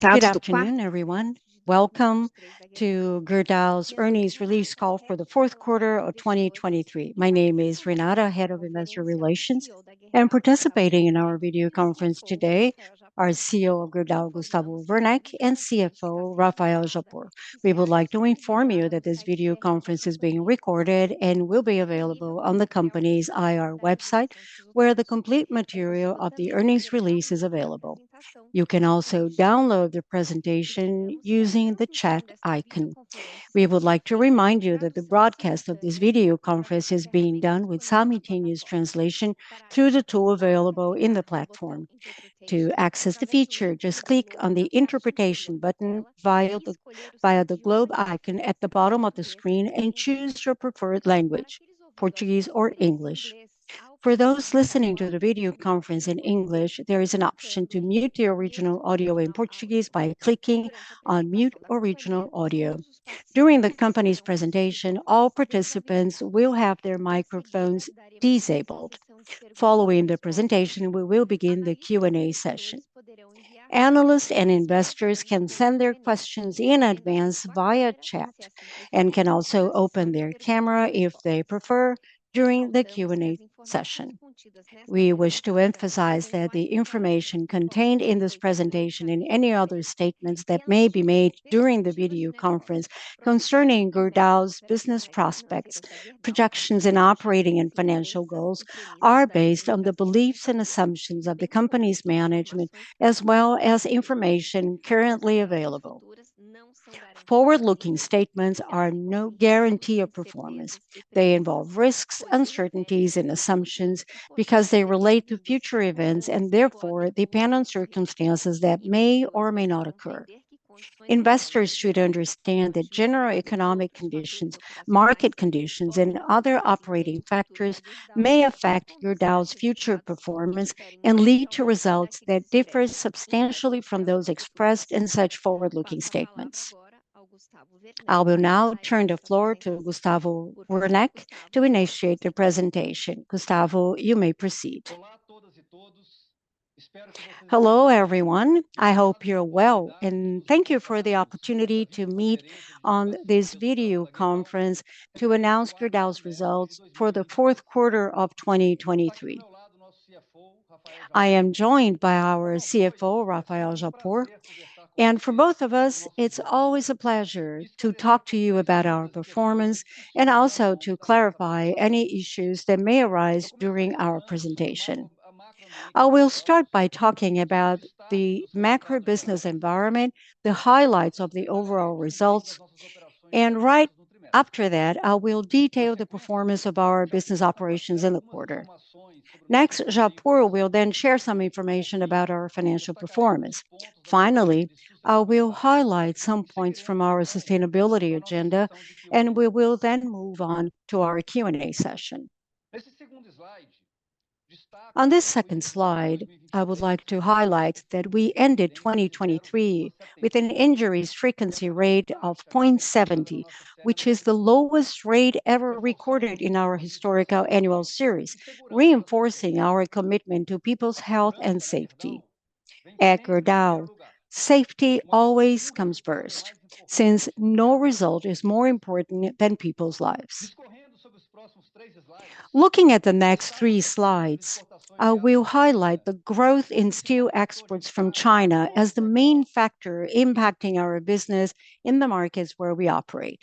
Good afternoon, everyone. Welcome to Gerdau's Earnings Release Call for the fourth quarter of 2023. My name is Renata, Head of Investor Relations, and participating in our video conference today are CEO of Gerdau, Gustavo Werneck, and CFO, Rafael Japur. We would like to inform you that this video conference is being recorded and will be available on the company's IR website, where the complete material of the earnings release is available. You can also download the presentation using the chat icon. We would like to remind you that the broadcast of this video conference is being done with simultaneous translation through the tool available in the platform. To access the feature, just click on the interpretation button via the globe icon at the bottom of the screen, and choose your preferred language, Portuguese or English. For those listening to the video conference in English, there is an option to mute the original audio in Portuguese by clicking on Mute Original Audio. During the company's presentation, all participants will have their microphones disabled. Following the presentation, we will begin the Q&A session. Analysts and investors can send their questions in advance via chat, and can also open their camera if they prefer during the Q&A session. We wish to emphasize that the information contained in this presentation and any other statements that may be made during the video conference concerning Gerdau's business prospects, projections, and operating and financial goals, are based on the beliefs and assumptions of the company's management, as well as information currently available. Forward-looking statements are no guarantee of performance. They involve risks, uncertainties, and assumptions because they relate to future events, and therefore, depend on circumstances that may or may not occur. Investors should understand that general economic conditions, market conditions, and other operating factors may affect Gerdau's future performance and lead to results that differ substantially from those expressed in such forward-looking statements. I will now turn the floor to Gustavo Werneck to initiate the presentation. Gustavo, you may proceed. Hello, everyone. I hope you're well, and thank you for the opportunity to meet on this video conference to announce Gerdau's results for the fourth quarter of 2023. I am joined by our CFO, Rafael Japur, and for both of us, it's always a pleasure to talk to you about our performance, and also to clarify any issues that may arise during our presentation. I will start by talking about the macro business environment, the highlights of the overall results, and right after that, I will detail the performance of our business operations in the quarter. Next, Japur will then share some information about our financial performance. Finally, I will highlight some points from our sustainability agenda, and we will then move on to our Q&A session. On this second slide, I would like to highlight that we ended 2023 with an injuries frequency rate of 0.70, which is the lowest rate ever recorded in our historical annual series, reinforcing our commitment to people's health and safety. At Gerdau, safety always comes first, since no result is more important than people's lives. Looking at the next three slides, I will highlight the growth in steel exports from China as the main factor impacting our business in the markets where we operate.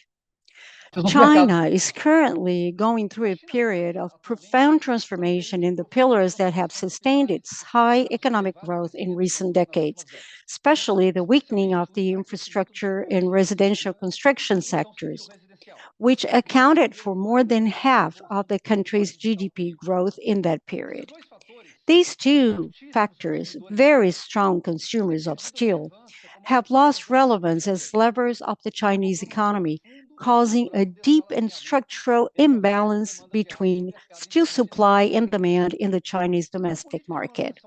China is currently going through a period of profound transformation in the pillars that have sustained its high economic growth in recent decades, especially the weakening of the infrastructure and residential construction sectors, which accounted for more than half of the country's GDP growth in that period. These two factors, very strong consumers of steel, have lost relevance as levers of the Chinese economy, causing a deep and structural imbalance between steel supply and demand in the Chinese domestic market.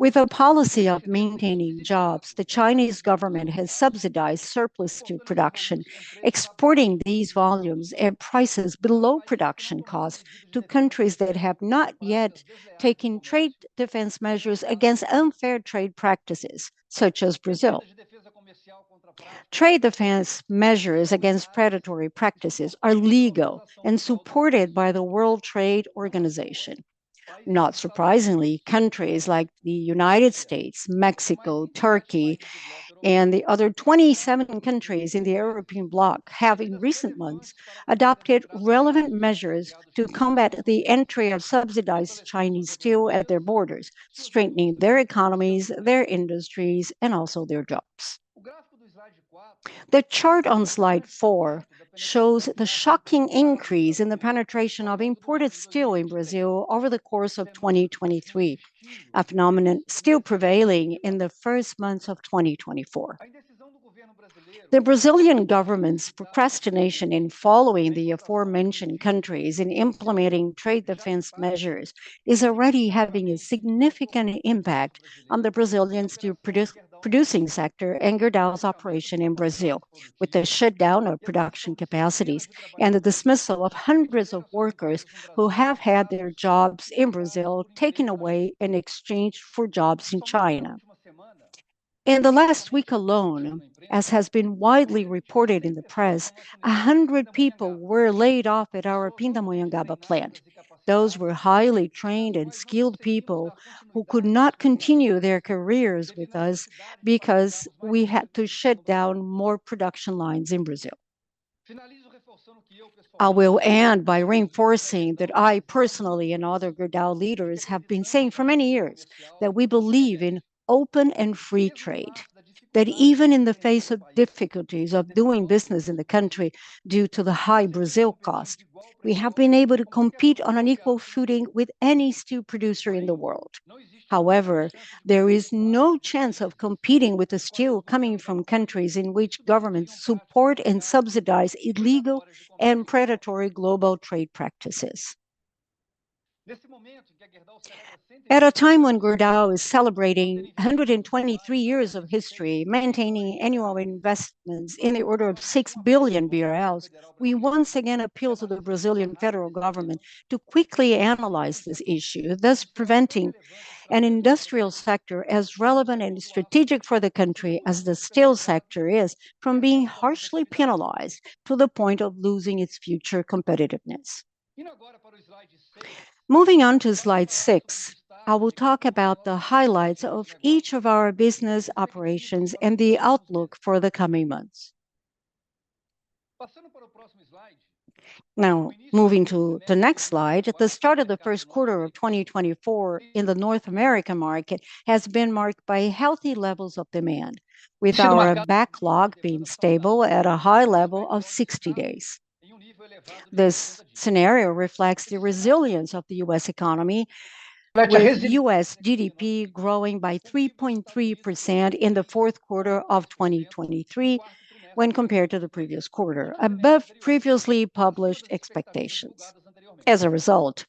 With a policy of maintaining jobs, the Chinese government has subsidized surplus steel production, exporting these volumes at prices below production cost to countries that have not yet taken trade defense measures against unfair trade practices, such as Brazil. Trade defense measures against predatory practices are legal and supported by the World Trade Organization. Not surprisingly, countries like the United States, Mexico, Turkey, and the other 27 countries in the European bloc, have in recent months adopted relevant measures to combat the entry of subsidized Chinese steel at their borders, strengthening their economies, their industries, and also their jobs. The chart on Slide 4 shows the shocking increase in the penetration of imported steel in Brazil over the course of 2023, a phenomenon still prevailing in the first months of 2024. The Brazilian government's procrastination in following the aforementioned countries in implementing trade defense measures is already having a significant impact on the Brazilian steel producing sector and Gerdau's operation in Brazil, with the shutdown of production capacities and the dismissal of hundreds of workers who have had their jobs in Brazil taken away in exchange for jobs in China. In the last week alone, as has been widely reported in the press, 100 people were laid off at our Pindamonhangaba plant. Those were highly trained and skilled people who could not continue their careers with us because we had to shut down more production lines in Brazil. I will end by reinforcing that I personally, and other Gerdau leaders, have been saying for many years that we believe in open and free trade. That even in the face of difficulties of doing business in the country, due to the high Brazil cost, we have been able to compete on an equal footing with any steel producer in the world. However, there is no chance of competing with the steel coming from countries in which governments support and subsidize illegal and predatory global trade practices. At a time when Gerdau is celebrating 123 years of history, maintaining annual investments in the order of 6 billion BRL, we once again appeal to the Brazilian federal government to quickly analyze this issue, thus preventing an industrial sector as relevant and strategic for the country as the steel sector is, from being harshly penalized to the point of losing its future competitiveness. Moving on to slide 6, I will talk about the highlights of each of our business operations and the outlook for the coming months. Now, moving to the next slide. At the start of the first quarter of 2024, in the North American market, has been marked by healthy levels of demand, with our backlog being stable at a high level of 60 days. This scenario reflects the resilience of the U.S. economy, with U.S. GDP growing by 3.3% in the fourth quarter of 2023 when compared to the previous quarter, above previously published expectations. As a result,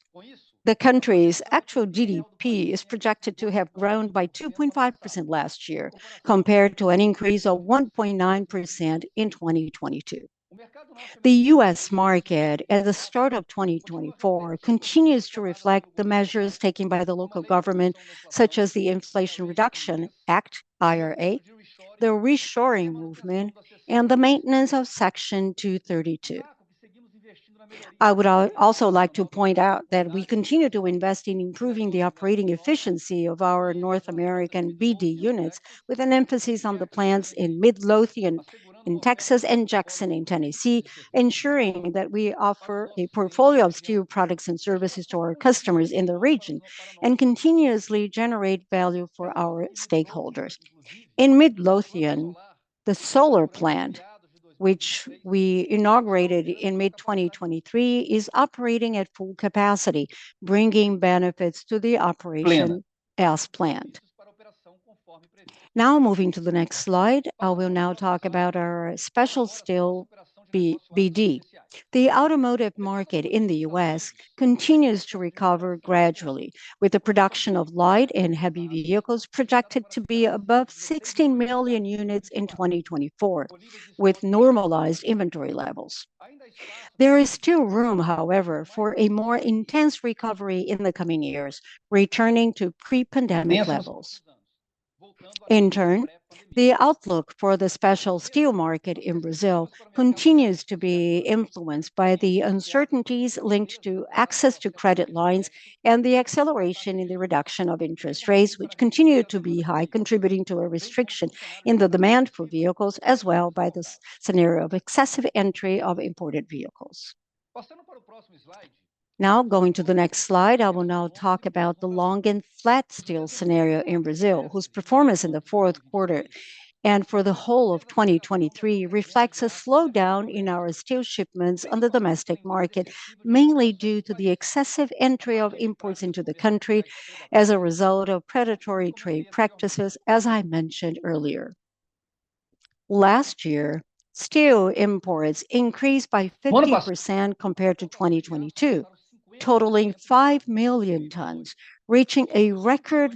the country's actual GDP is projected to have grown by 2.5% last year, compared to an increase of 1.9% in 2022. The U.S. market at the start of 2024 continues to reflect the measures taken by the local government, such as the Inflation Reduction Act, IRA, the reshoring movement, and the maintenance of Section 232. I would also like to point out that we continue to invest in improving the operating efficiency of our North American BD units, with an emphasis on the plants in Midlothian, Texas, and Jackson, Tennessee, ensuring that we offer a portfolio of steel products and services to our customers in the region, and continuously generate value for our stakeholders. In Midlothian, the solar plant, which we inaugurated in mid-2023, is operating at full capacity, bringing benefits to the operation as planned. Now, moving to the next slide. I will now talk about our special steel BD. The automotive market in the U.S. continues to recover gradually, with the production of light and heavy vehicles projected to be above 16 million units in 2024, with normalized inventory levels. There is still room, however, for a more intense recovery in the coming years, returning to pre-pandemic levels. In turn, the outlook for the special steel market in Brazil continues to be influenced by the uncertainties linked to access to credit lines and the acceleration in the reduction of interest rates, which continue to be high, contributing to a restriction in the demand for vehicles, as well by this scenario of excessive entry of imported vehicles. Now, going to the next slide. I will now talk about the long and flat steel scenario in Brazil, whose performance in the fourth quarter, and for the whole of 2023, reflects a slowdown in our steel shipments on the domestic market, mainly due to the excessive entry of imports into the country as a result of predatory trade practices, as I mentioned earlier. Last year, steel imports increased by 50% compared to 2022, totaling 5 million tons, reaching a record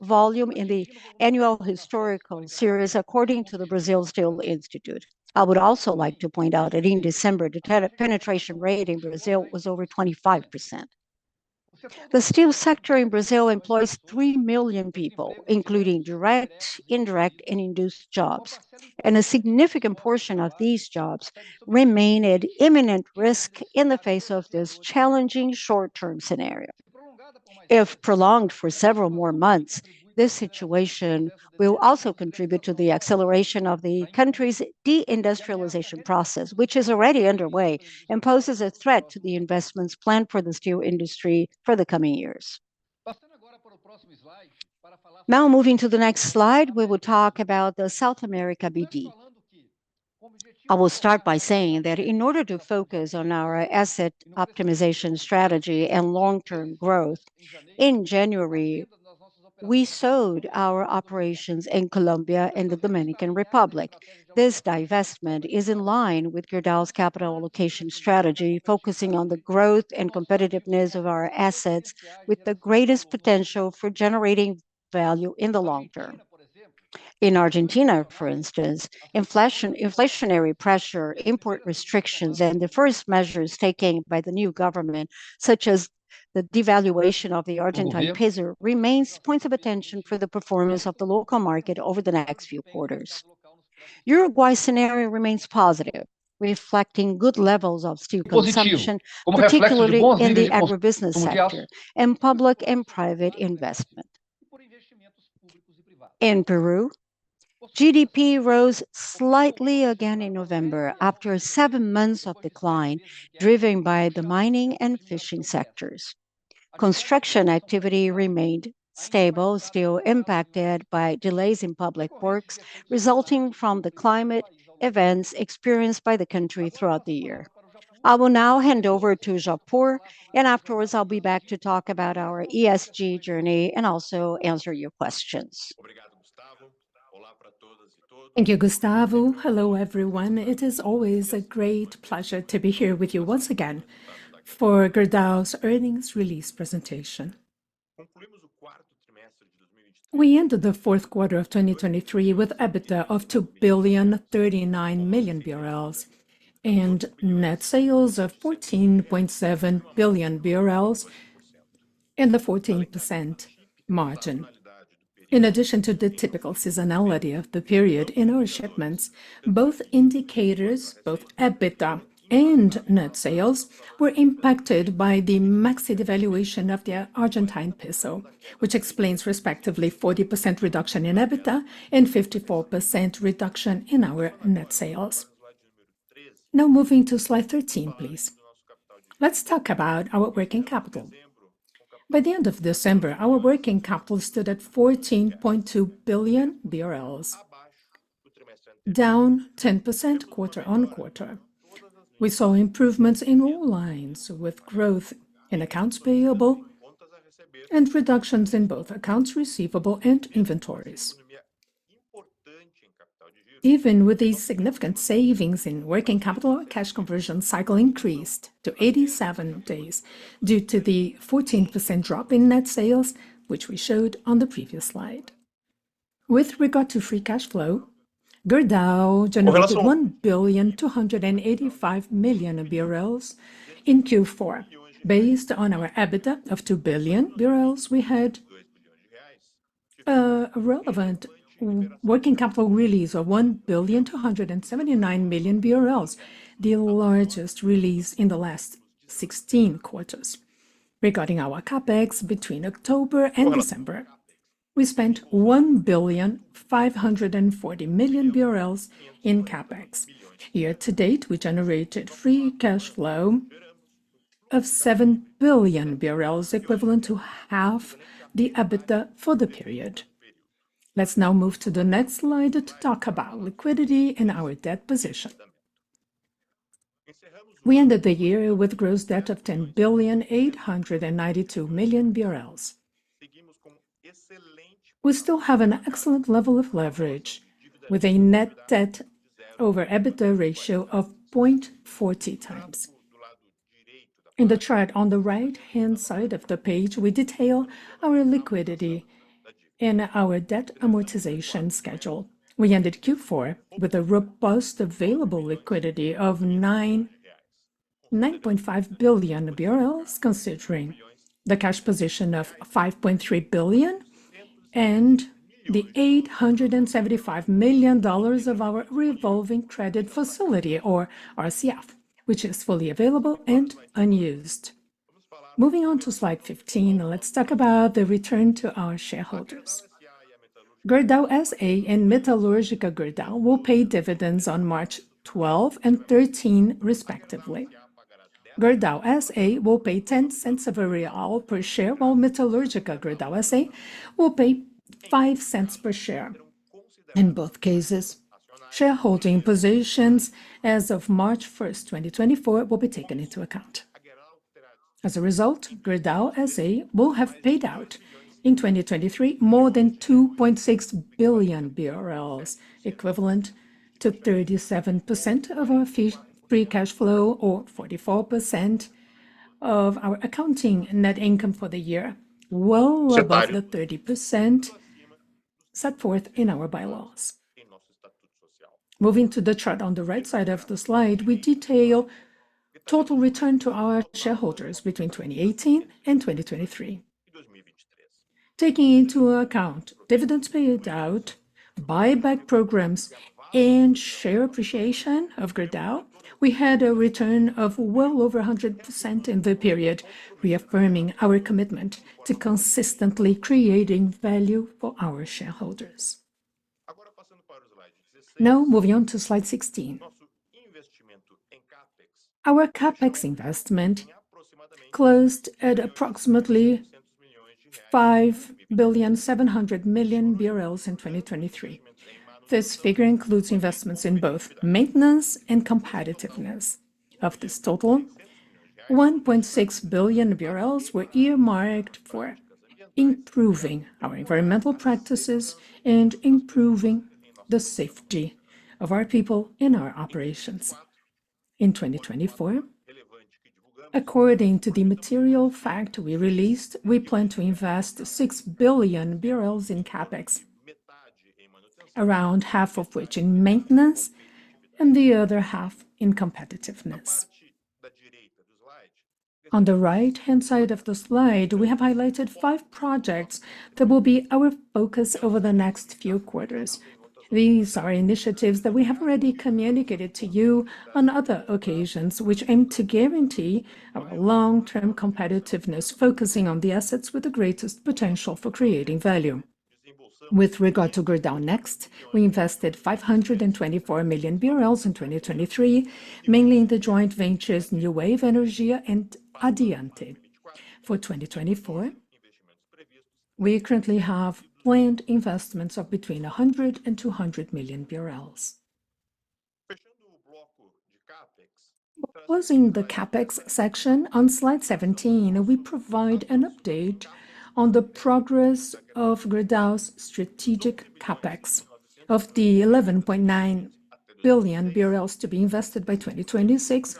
volume in the annual historical series, according to the Brazil Steel Institute. I would also like to point out that in December, the penetration rate in Brazil was over 25%. The steel sector in Brazil employs 3 million people, including direct, indirect, and induced jobs, and a significant portion of these jobs remain at imminent risk in the face of this challenging short-term scenario. If prolonged for several more months, this situation will also contribute to the acceleration of the country's de-industrialization process, which is already underway, and poses a threat to the investments planned for the steel industry for the coming years. Now, moving to the next slide, we will talk about the South America BD. I will start by saying that in order to focus on our asset optimization strategy and long-term growth, in January, we sold our operations in Colombia and the Dominican Republic. This divestment is in line with Gerdau's capital allocation strategy, focusing on the growth and competitiveness of our assets with the greatest potential for generating value in the long term. In Argentina, for instance, inflation... inflationary pressure, import restrictions, and the first measures taken by the new government, such as the devaluation of the Argentine peso, remains points of attention for the performance of the local market over the next few quarters. Uruguay's scenario remains positive, reflecting good levels of steel consumption, particularly in the agribusiness sector, and public and private investment. In Peru, GDP rose slightly again in November after seven months of decline, driven by the mining and fishing sectors. Construction activity remained stable, still impacted by delays in public works, resulting from the climate events experienced by the country throughout the year. I will now hand over to João Paulo, and afterwards, I'll be back to talk about our ESG journey and also answer your questions. Thank you, Gustavo. Hello, everyone. It is always a great pleasure to be here with you once again for Gerdau's earnings release presentation. We ended the fourth quarter of 2023 with EBITDA of 2.039 billion, and net sales of 14.7 billion BRL, and the 14% margin. In addition to the typical seasonality of the period in our shipments, both indicators, both EBITDA and net sales, were impacted by the massive devaluation of the Argentine peso, which explains, respectively, 40% reduction in EBITDA and 54% reduction in our net sales. Now, moving to slide 13, please. Let's talk about our working capital. By the end of December, our working capital stood at 14.2 billion BRL, down 10% quarter-on-quarter. We saw improvements in all lines, with growth in accounts payable and reductions in both accounts receivable and inventories. Even with these significant savings in working capital, our cash conversion cycle increased to 87 days due to the 14% drop in net sales, which we showed on the previous slide. With regard to free cash flow, Gerdau generated 1.285 billion in Q4. Based on our EBITDA of 2 billion, we had a relevant working capital release of 1.279 billion, the largest release in the last 16 quarters. Regarding our CapEx between October and December, we spent 1.54 billion BRL in CapEx. Year-to-date, we generated free cash flow of 7 billion BRL, equivalent to half the EBITDA for the period. Let's now move to the next slide to talk about liquidity and our debt position. We ended the year with gross debt of 10.892 billion. We still have an excellent level of leverage, with a net debt over EBITDA ratio of 0.40x. In the chart on the right-hand side of the page, we detail our liquidity and our debt amortization schedule. We ended Q4 with a robust available liquidity of 9.95 billion BRL, considering the cash position of 5.3 billion and the $875 million of our revolving credit facility or RCF, which is fully available and unused. Moving on to slide 15, let's talk about the return to our shareholders. Gerdau S.A. and Metalúrgica Gerdau S.A. will pay dividends on March 12 and 13, respectively. Gerdau S.A. will pay 0.10 per share, while Metalúrgica Gerdau S.A. will pay 0.05 per share. In both cases, shareholding positions as of March 1, 2024, will be taken into account. As a result, Gerdau S.A. will have paid out in 2023 more than 2.6 billion BRL, equivalent to 37% of our free cash flow, or 44% of our accounting net income for the year, well above the 30% set forth in our bylaws. Moving to the chart on the right side of the slide, we detail total return to our shareholders between 2018 and 2023. Taking into account dividends paid out, buyback programs, and share appreciation of Gerdau, we had a return of well over 100% in the period, reaffirming our commitment to consistently creating value for our shareholders. Now, moving on to slide 16. Our CapEx investment closed at approximately 5.7 billion in 2023. This figure includes investments in both maintenance and competitiveness. Of this total, 1.6 billion were earmarked for improving our environmental practices and improving the safety of our people in our operations. In 2024, according to the material fact we released, we plan to invest 6 billion in CapEx, around half of which in maintenance and the other half in competitiveness. On the right-hand side of the slide, we have highlighted five projects that will be our focus over the next few quarters. These are initiatives that we have already communicated to you on other occasions, which aim to guarantee our long-term competitiveness, focusing on the assets with the greatest potential for creating value. With regard to Gerdau Next, we invested 524 million BRL in 2023, mainly in the joint ventures, Newave Energia and Addiante. For 2024, we currently have planned investments of between BRL 100-200 million. Closing the CapEx section, on slide 17, we provide an update on the progress of Gerdau's strategic CapEx. Of the 11.9 billion BRL to be invested by 2026,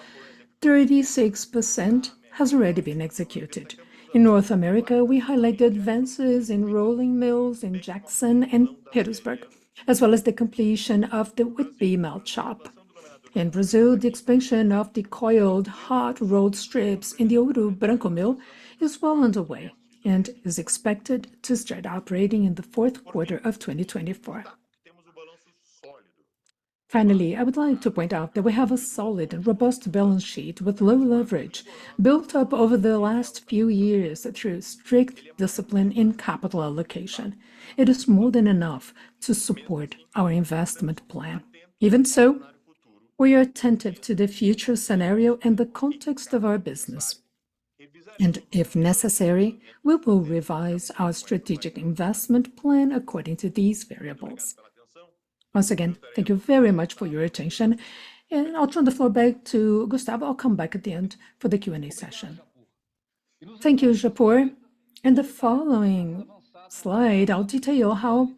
36% has already been executed. In North America, we highlight the advances in rolling mills in Jackson and Pittsburgh, as well as the completion of the Whitby melt shop. In Brazil, the expansion of the hot coil rolled strips in the Ouro Branco mill is well underway, and is expected to start operating in the fourth quarter of 2024. Finally, I would like to point out that we have a solid and robust balance sheet with low leverage, built up over the last few years through strict discipline in capital allocation. It is more than enough to support our investment plan. Even so, we are attentive to the future scenario and the context of our business, and if necessary, we will revise our strategic investment plan according to these variables. Once again, thank you very much for your attention, and I'll turn the floor back to Gustavo. I'll come back at the end for the Q&A session. Thank you, Japur. In the following slide, I'll detail how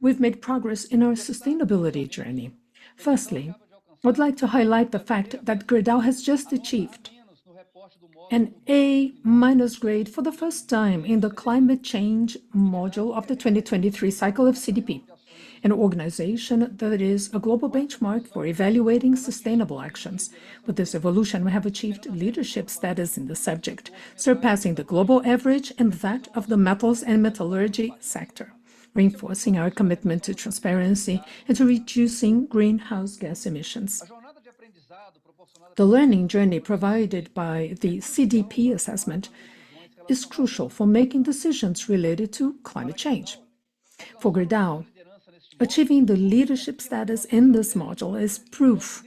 we've made progress in our sustainability journey. Firstly, I would like to highlight the fact that Gerdau has just achieved an A-minus grade for the first time in the climate change module of the 2023 cycle of CDP, an organization that is a global benchmark for evaluating sustainable actions. With this evolution, we have achieved leadership status in the subject, surpassing the global average and that of the metals and metallurgy sector, reinforcing our commitment to transparency and to reducing greenhouse gas emissions. The learning journey provided by the CDP assessment is crucial for making decisions related to climate change. For Gerdau, achieving the leadership status in this module is proof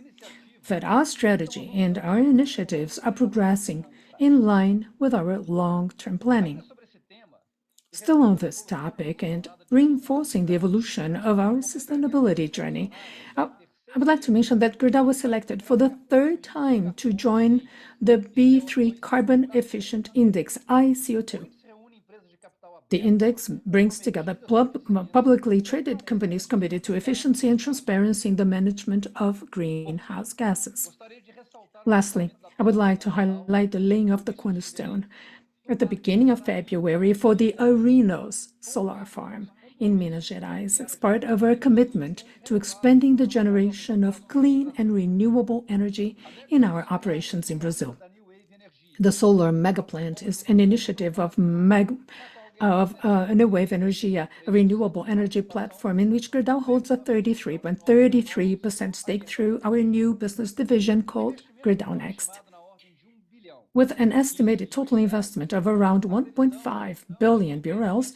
that our strategy and our initiatives are progressing in line with our long-term planning. Still on this topic, and reinforcing the evolution of our sustainability journey, I would like to mention that Gerdau was selected for the third time to join the B3 Carbon Efficient Index (ICO2). The index brings together publicly traded companies committed to efficiency and transparency in the management of greenhouse gases. Lastly, I would like to highlight the laying of the cornerstone at the beginning of February for the Arinos Solar Park in Minas Gerais. It's part of our commitment to expanding the generation of clean and renewable energy in our operations in Brazil. The solar mega plant is an initiative of Newave Energia, a renewable energy platform in which Gerdau holds a 33.33% stake through our new business division called Gerdau Next. With an estimated total investment of around 1.5 billion BRL,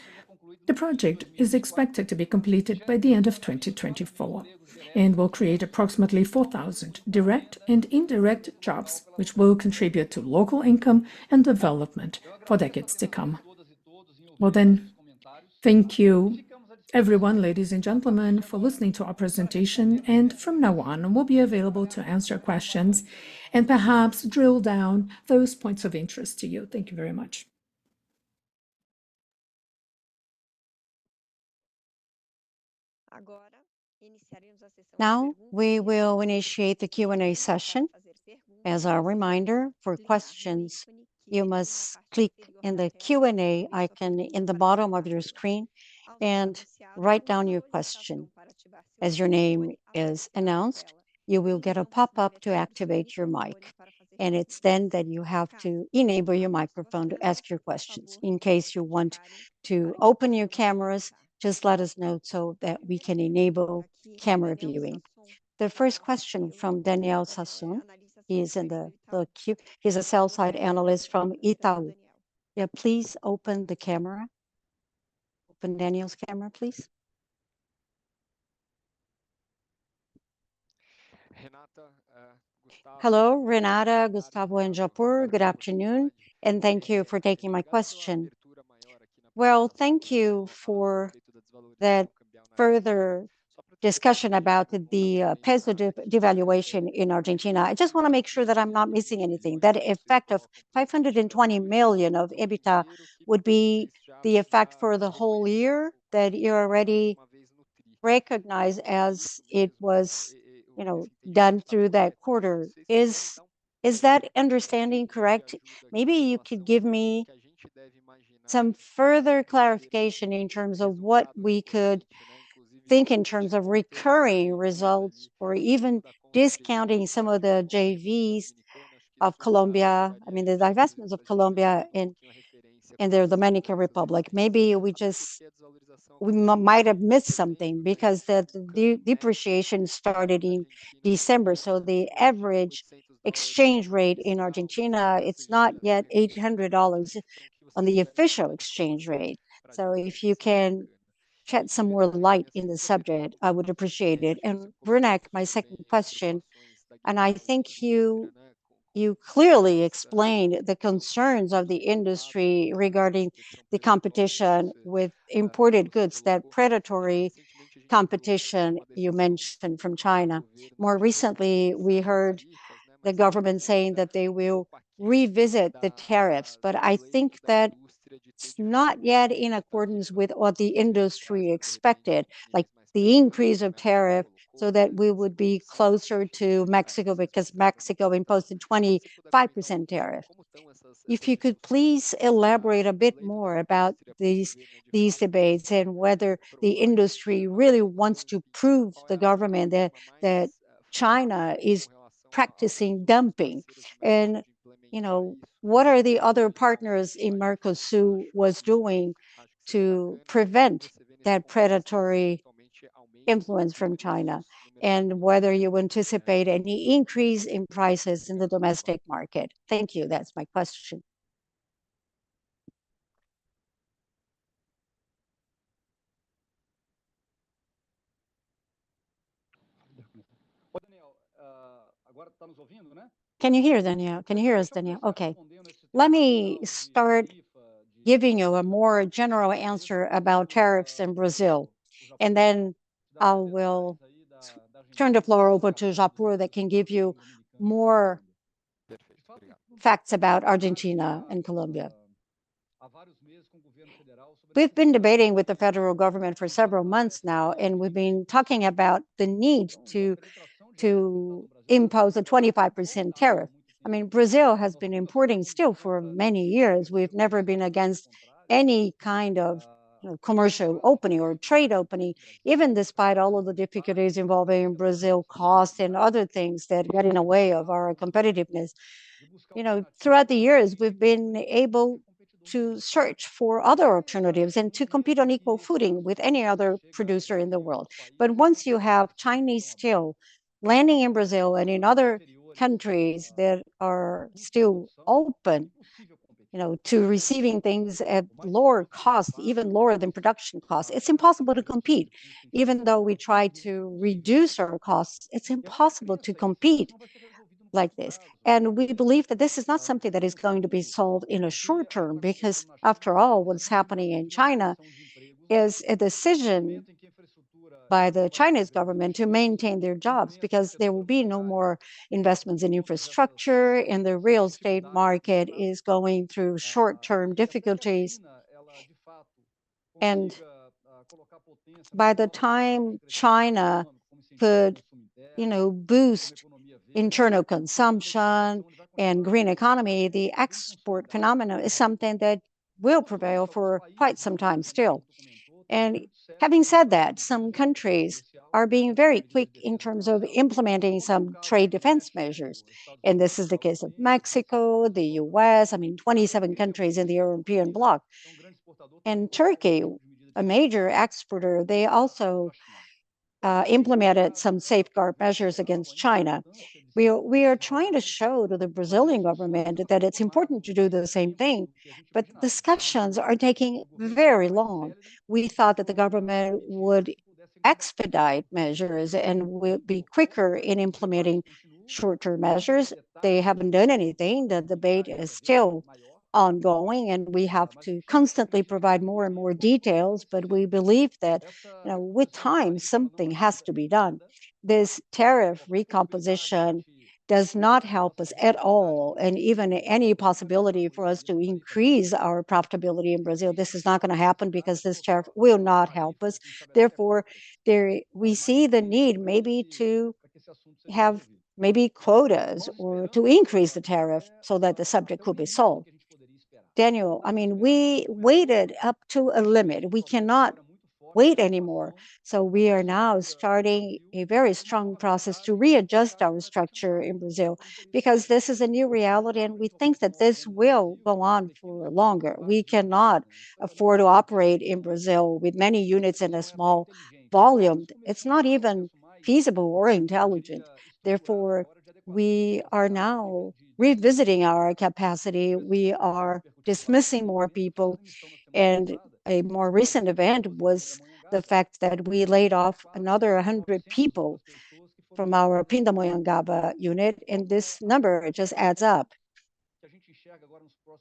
the project is expected to be completed by the end of 2024 and will create approximately 4,000 direct and indirect jobs, which will contribute to local income and development for decades to come. Well, then, thank you everyone, ladies and gentlemen, for listening to our presentation, and from now on, we'll be available to answer questions and perhaps drill down those points of interest to you. Thank you very much. Now, we will initiate the Q&A session. As a reminder, for questions, you must click in the Q&A icon in the bottom of your screen and write down your question. As your name is announced, you will get a pop-up to activate your mic, and it's then that you have to enable your microphone to ask your questions. In case you want to open your cameras, just let us know so that we can enable camera viewing. The first question from Daniel Sasson. He's a sell-side analyst from Itaú. Yeah, please open the camera. Open Daniel's camera, please. Hello, Renata, Gustavo, and Japur. Good afternoon, and thank you for taking my question. Well, thank you for the further discussion about the peso devaluation in Argentina. I just wanna make sure that I'm not missing anything. That effect of 520 million of EBITDA would be the effect for the whole year, that you already recognize as it was, you know, done through that quarter. Is that understanding correct? Maybe you could give me some further clarification in terms of what we could think in terms of recurring results or even discounting some of the JVs of Colombia, I mean, the divestments of Colombia and the Dominican Republic. Maybe we just might have missed something, because the depreciation started in December, so the average exchange rate in Argentina, it's not yet $800 on the official exchange rate. So if you can shed some more light on the subject, I would appreciate it. Werneck, my second question, and I think you clearly explained the concerns of the industry regarding the competition with imported goods, that predatory competition you mentioned from China. More recently, we heard the government saying that they will revisit the tariffs, but I think that it's not yet in accordance with what the industry expected, like the increase of tariff so that we would be closer to Mexico, because Mexico imposed a 25% tariff. If you could please elaborate a bit more about these debates, and whether the industry really wants to prove to the government that China is practicing dumping. And, you know, what are the other partners in Mercosur was doing to prevent that predatory influence from China, and whether you anticipate any increase in prices in the domestic market? Thank you. That's my question. Can you hear, Daniel? Can you hear us, Daniel? Okay. Let me start giving you a more general answer about tariffs in Brazil, and then I will turn the floor over to Japur that can give you more facts about Argentina and Colombia. We've been debating with the federal government for several months now, and we've been talking about the need to impose a 25% tariff. I mean, Brazil has been importing steel for many years. We've never been against any kind of commercial opening or trade opening, even despite all of the difficulties involving Brazil costs and other things that get in the way of our competitiveness. You know, throughout the years, we've been able to search for other alternatives and to compete on equal footing with any other producer in the world. But once you have Chinese steel landing in Brazil and in other countries that are still open, you know, to receiving things at lower cost, even lower than production cost, it's impossible to compete. Even though we try to reduce our costs, it's impossible to compete like this. And we believe that this is not something that is going to be solved in a short term, because after all, what's happening in China is a decision by the Chinese government to maintain their jobs, because there will be no more investments in infrastructure, and the real estate market is going through short-term difficulties. And by the time China could, you know, boost internal consumption and green economy, the export phenomenon is something that will prevail for quite some time still. Having said that, some countries are being very quick in terms of implementing some trade defense measures, and this is the case of Mexico, the U.S., I mean, 27 countries in the European bloc. Turkey, a major exporter, they also implemented some safeguard measures against China. We are, we are trying to show to the Brazilian government that it's important to do the same thing, but discussions are taking very long. We thought that the government would expedite measures and would be quicker in implementing short-term measures. They haven't done anything. The debate is still ongoing, and we have to constantly provide more and more details, but we believe that, with time, something has to be done. This tariff recomposition does not help us at all, and even any possibility for us to increase our profitability in Brazil, this is not gonna happen because this tariff will not help us. Therefore, we see the need maybe to have maybe quotas or to increase the tariff so that the subject could be solved. Daniel, I mean, we waited up to a limit. We cannot wait anymore, so we are now starting a very strong process to readjust our structure in Brazil, because this is a new reality, and we think that this will go on for longer. We cannot afford to operate in Brazil with many units in a small volume. It's not even feasible or intelligent. Therefore, we are now revisiting our capacity. We are dismissing more people, and a more recent event was the fact that we laid off another 100 people from our Pindamonhangaba unit, and this number, it just adds up.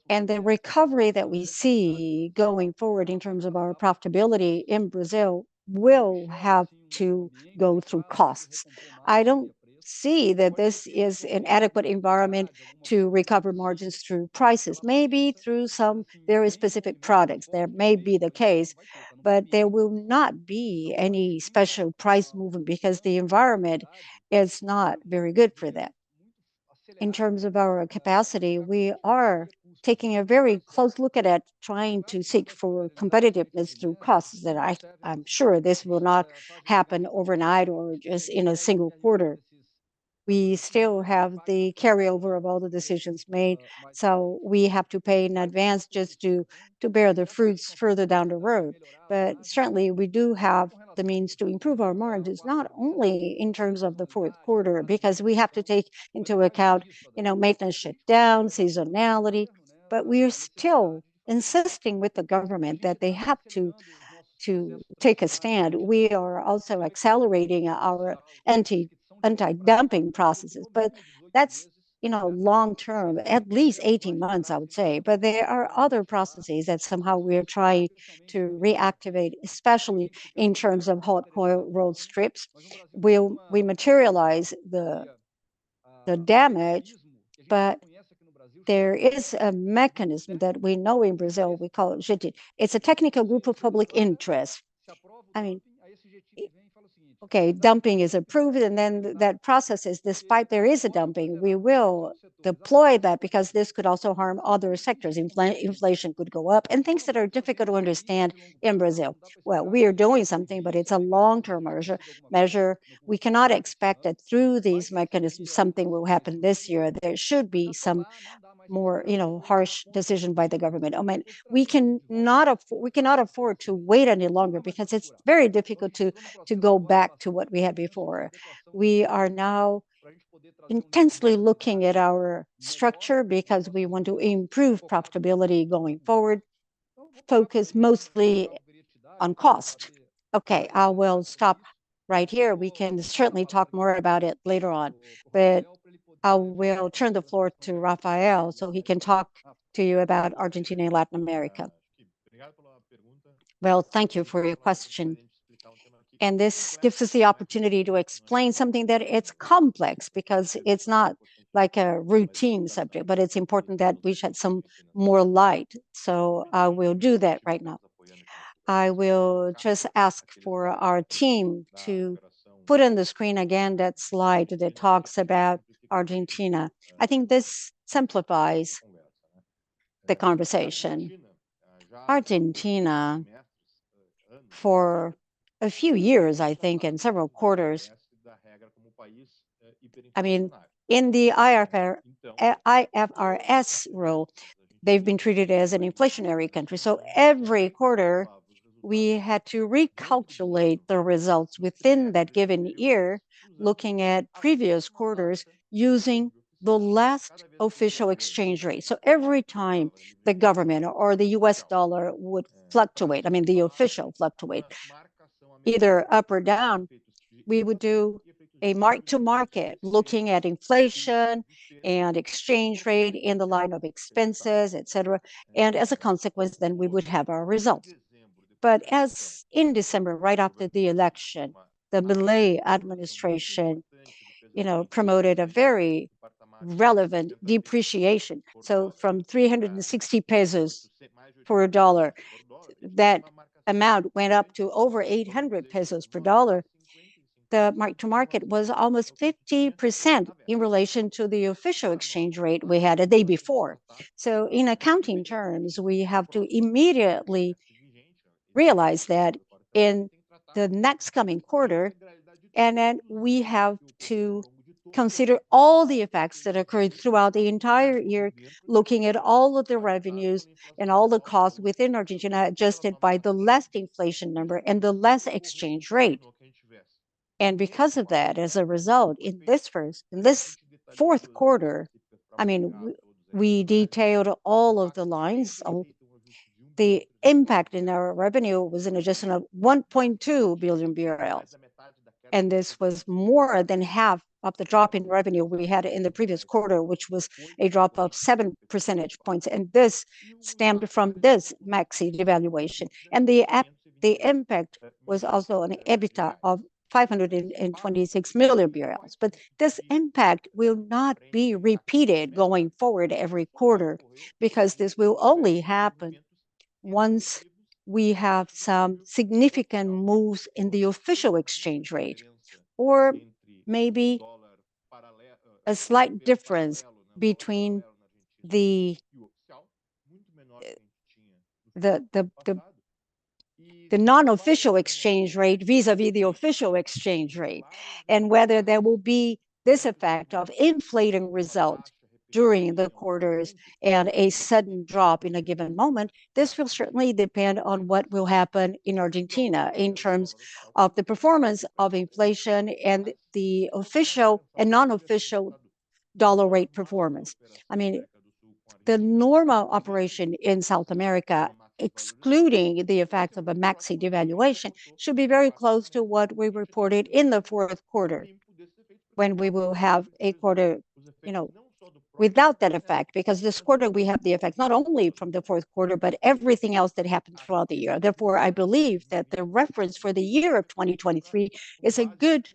The recovery that we see going forward in terms of our profitability in Brazil will have to go through costs. I don't see that this is an adequate environment to recover margins through prices. Maybe through some very specific products, that may be the case, but there will not be any special price movement because the environment is not very good for that. In terms of our capacity, we are taking a very close look at it, trying to seek for competitiveness through costs, that I, I'm sure this will not happen overnight or just in a single quarter. We still have the carryover of all the decisions made, so we have to pay in advance just to bear the fruits further down the road. But certainly, we do have the means to improve our margins, not only in terms of the fourth quarter, because we have to take into account, you know, maintenance shutdowns, seasonality. But we are still insisting with the government that they have to take a stand. We are also accelerating our anti-dumping processes, but that's, you know, long term, at least 18 months, I would say. But there are other processes that somehow we're trying to reactivate, especially in terms of hot coil rolled strips, we materialize the damage, but there is a mechanism that we know in Brazil, we call it GTI. It's a technical group of public interest. I mean, Okay, dumping is approved, and then that process is, despite there is a dumping, we will deploy that because this could also harm other sectors. Inflation could go up, and things that are difficult to understand in Brazil. Well, we are doing something, but it's a long-term measure. We cannot expect that through these mechanisms, something will happen this year. There should be some more, you know, harsh decision by the government. I mean, we cannot afford to wait any longer because it's very difficult to go back to what we had before. We are now intensely looking at our structure because we want to improve profitability going forward, focus mostly on cost. Okay, I will stop right here. We can certainly talk more about it later on, but I will turn the floor to Rafael so he can talk to you about Argentina and Latin America. Well, thank you for your question, and this gives us the opportunity to explain something that it's complex because it's not like a routine subject, but it's important that we shed some more light, so I will do that right now. I will just ask for our team to put on the screen again that slide that talks about Argentina. I think this simplifies the conversation. Argentina, for a few years, I think, and several quarters, I mean, in the IFRS rule, they've been treated as an inflationary country. So every quarter, we had to recalculate the results within that given year, looking at previous quarters, using the last official exchange rate. So every time the government or the US dollar would fluctuate, I mean, the official fluctuate, either up or down, we would do a mark-to-market, looking at inflation and exchange rate in the line of expenses, et cetera, and as a consequence, then we would have our results. But as in December, right after the election, the Milei administration, you know, promoted a very relevant depreciation. So from 360 pesos per USD, that amount went up to over 800 pesos per USD. The mark-to-market was almost 50% in relation to the official exchange rate we had a day before. So in accounting terms, we have to immediately realize that in the next coming quarter, and then we have to consider all the effects that occurred throughout the entire year, looking at all of the revenues and all the costs within Argentina, adjusted by the last inflation number and the last exchange rate. And because of that, as a result, in this fourth quarter, I mean, we detailed all of the lines. The impact in our revenue was an adjustment of 1.2 billion BRL, and this was more than half of the drop in revenue we had in the previous quarter, which was a drop of seven percentage points, and this stemmed from this massive devaluation. And the impact was also on EBITDA of 526 million BRL. But this impact will not be repeated going forward every quarter, because this will only happen once we have some significant moves in the official exchange rate, or maybe a slight difference between the non-official exchange rate vis-à-vis the official exchange rate. And whether there will be this effect of inflating result during the quarters and a sudden drop in a given moment, this will certainly depend on what will happen in Argentina in terms of the performance of inflation and the official and non-official dollar rate performance. I mean, the normal operation in South America, excluding the effect of a maxi devaluation, should be very close to what we reported in the fourth quarter, when we will have a quarter, you know, without that effect. Because this quarter we have the effect not only from the fourth quarter, but everything else that happened throughout the year. Therefore, I believe that the reference for the year of 2023 is a good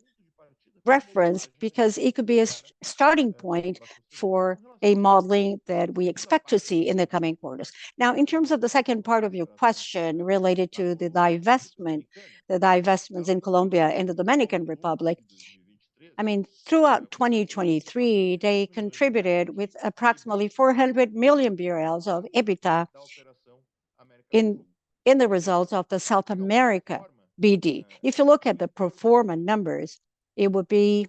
reference because it could be a starting point for a modeling that we expect to see in the coming quarters. Now, in terms of the second part of your question related to the divestment, the divestments in Colombia and the Dominican Republic, I mean, throughout 2023, they contributed with approximately 400 million BRL of EBITDA. In the results of the South America BD. If you look at the pro forma numbers, it would be,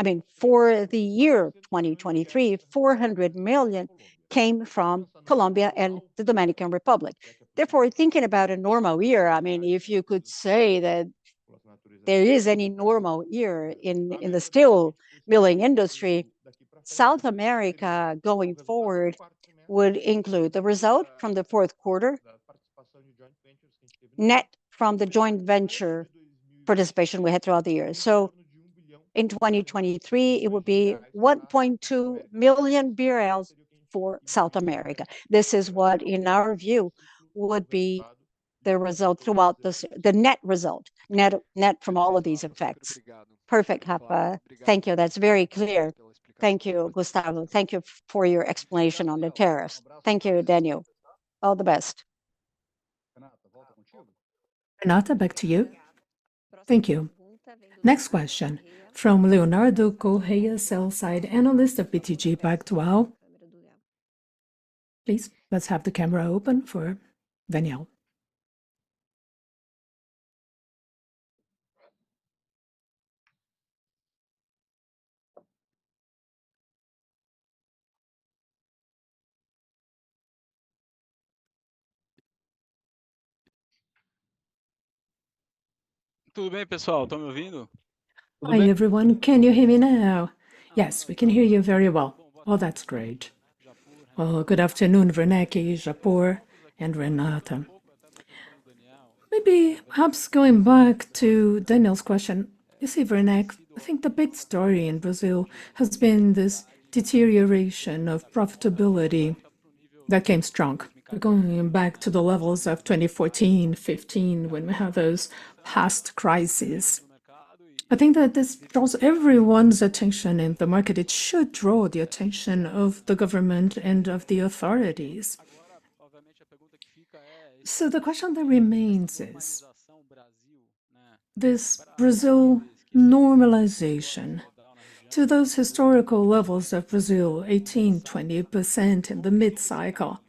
I mean, for the year 2023, 400 million came from Colombia and the Dominican Republic. Therefore, thinking about a normal year, I mean, if you could say that there is any normal year in the steel milling industry, South America, going forward, would include the result from the fourth quarter, net from the joint venture participation we had throughout the year. So in 2023, it would be 1.2 million BRL for South America. This is what, in our view, would be the result throughout this, the net result. Net, net from all of these effects. Perfect, Rappa. Thank you. That's very clear. Thank you, Gustavo. Thank you for your explanation on the tariffs. Thank you, Daniel. All the best. Renata, back to you. Thank you. Next question from Leonardo Correa, sell-side analyst of BTG Pactual. Please, let's have the camera open for Daniel. Hi, everyone. Can you hear me now? Yes, we can hear you very well Oh, that's great. Good afternoon, Werneck, Japur, and Renata. Maybe perhaps going back to Daniel's question. You see, Werneck, I think the big story in Brazil has been this deterioration of profitability that came strong, going back to the levels of 2014, 2015, when we had those past crises. I think that this draws everyone's attention in the market. It should draw the attention of the government and of the authorities. So the question that remains is, this Brazil normalization to those historical levels of Brazil, 18%-20% in the mid-cycle,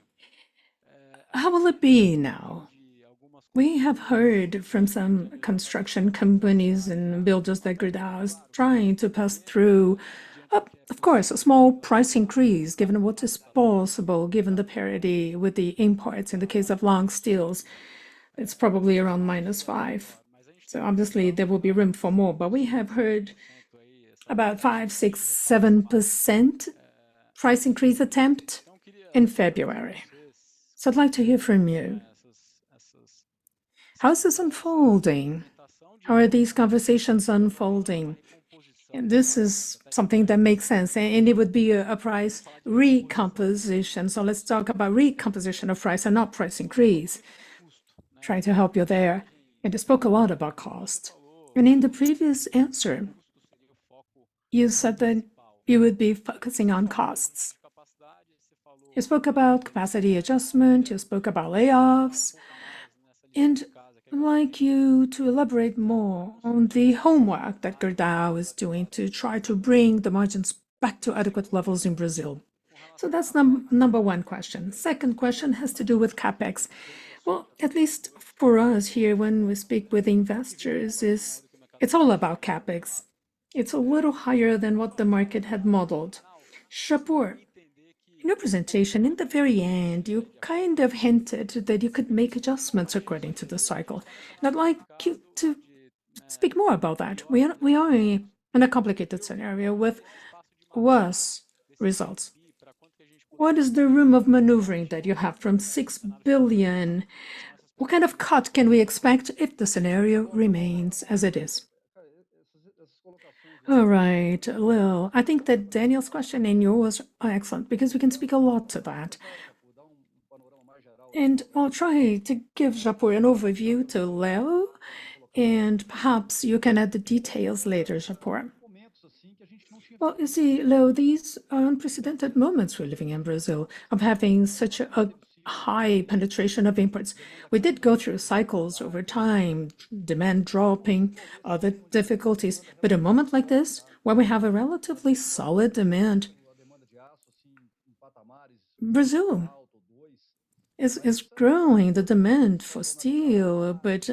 how will it be now? We have heard from some construction companies and builders that Gerdau is trying to pass through, of course, a small price increase, given what is possible, given the parity with the imports. In the case of long steels, it's probably around -5, so obviously there will be room for more. But we have heard about 5, 6, 7% price increase attempt in February. So I'd like to hear from you. How is this unfolding? How are these conversations unfolding? And this is something that makes sense, and it would be a price recomposition. So let's talk about recomposition of price and not price increase. Trying to help you there, and you spoke a lot about cost. And in the previous answer, you said that you would be focusing on costs. You spoke about capacity adjustment, you spoke about layoffs, and I'd like you to elaborate more on the homework that Gerdau is doing to try to bring the margins back to adequate levels in Brazil. So that's number one question. Second question has to do with CapEx. Well, at least for us here, when we speak with investors, is it's all about CapEx. It's a little higher than what the market had modeled. Japur, in your presentation, in the very end, you kind of hinted that you could make adjustments according to the cycle. I'd like you to speak more about that. We are in a complicated scenario with worse results. What is the room of maneuvering that you have from 6 billion? What kind of cut can we expect if the scenario remains as it is? All right, Leo, I think that Daniel's question and yours are excellent, because we can speak a lot to that. And I'll try to give Japur an overview to Leo, and perhaps you can add the details later, Japur. Well, you see, Leo, these are unprecedented moments we're living in Brazil, of having such a high penetration of imports. We did go through cycles over time, demand dropping, other difficulties. But a moment like this, where we have a relatively solid demand, Brazil is growing the demand for steel, but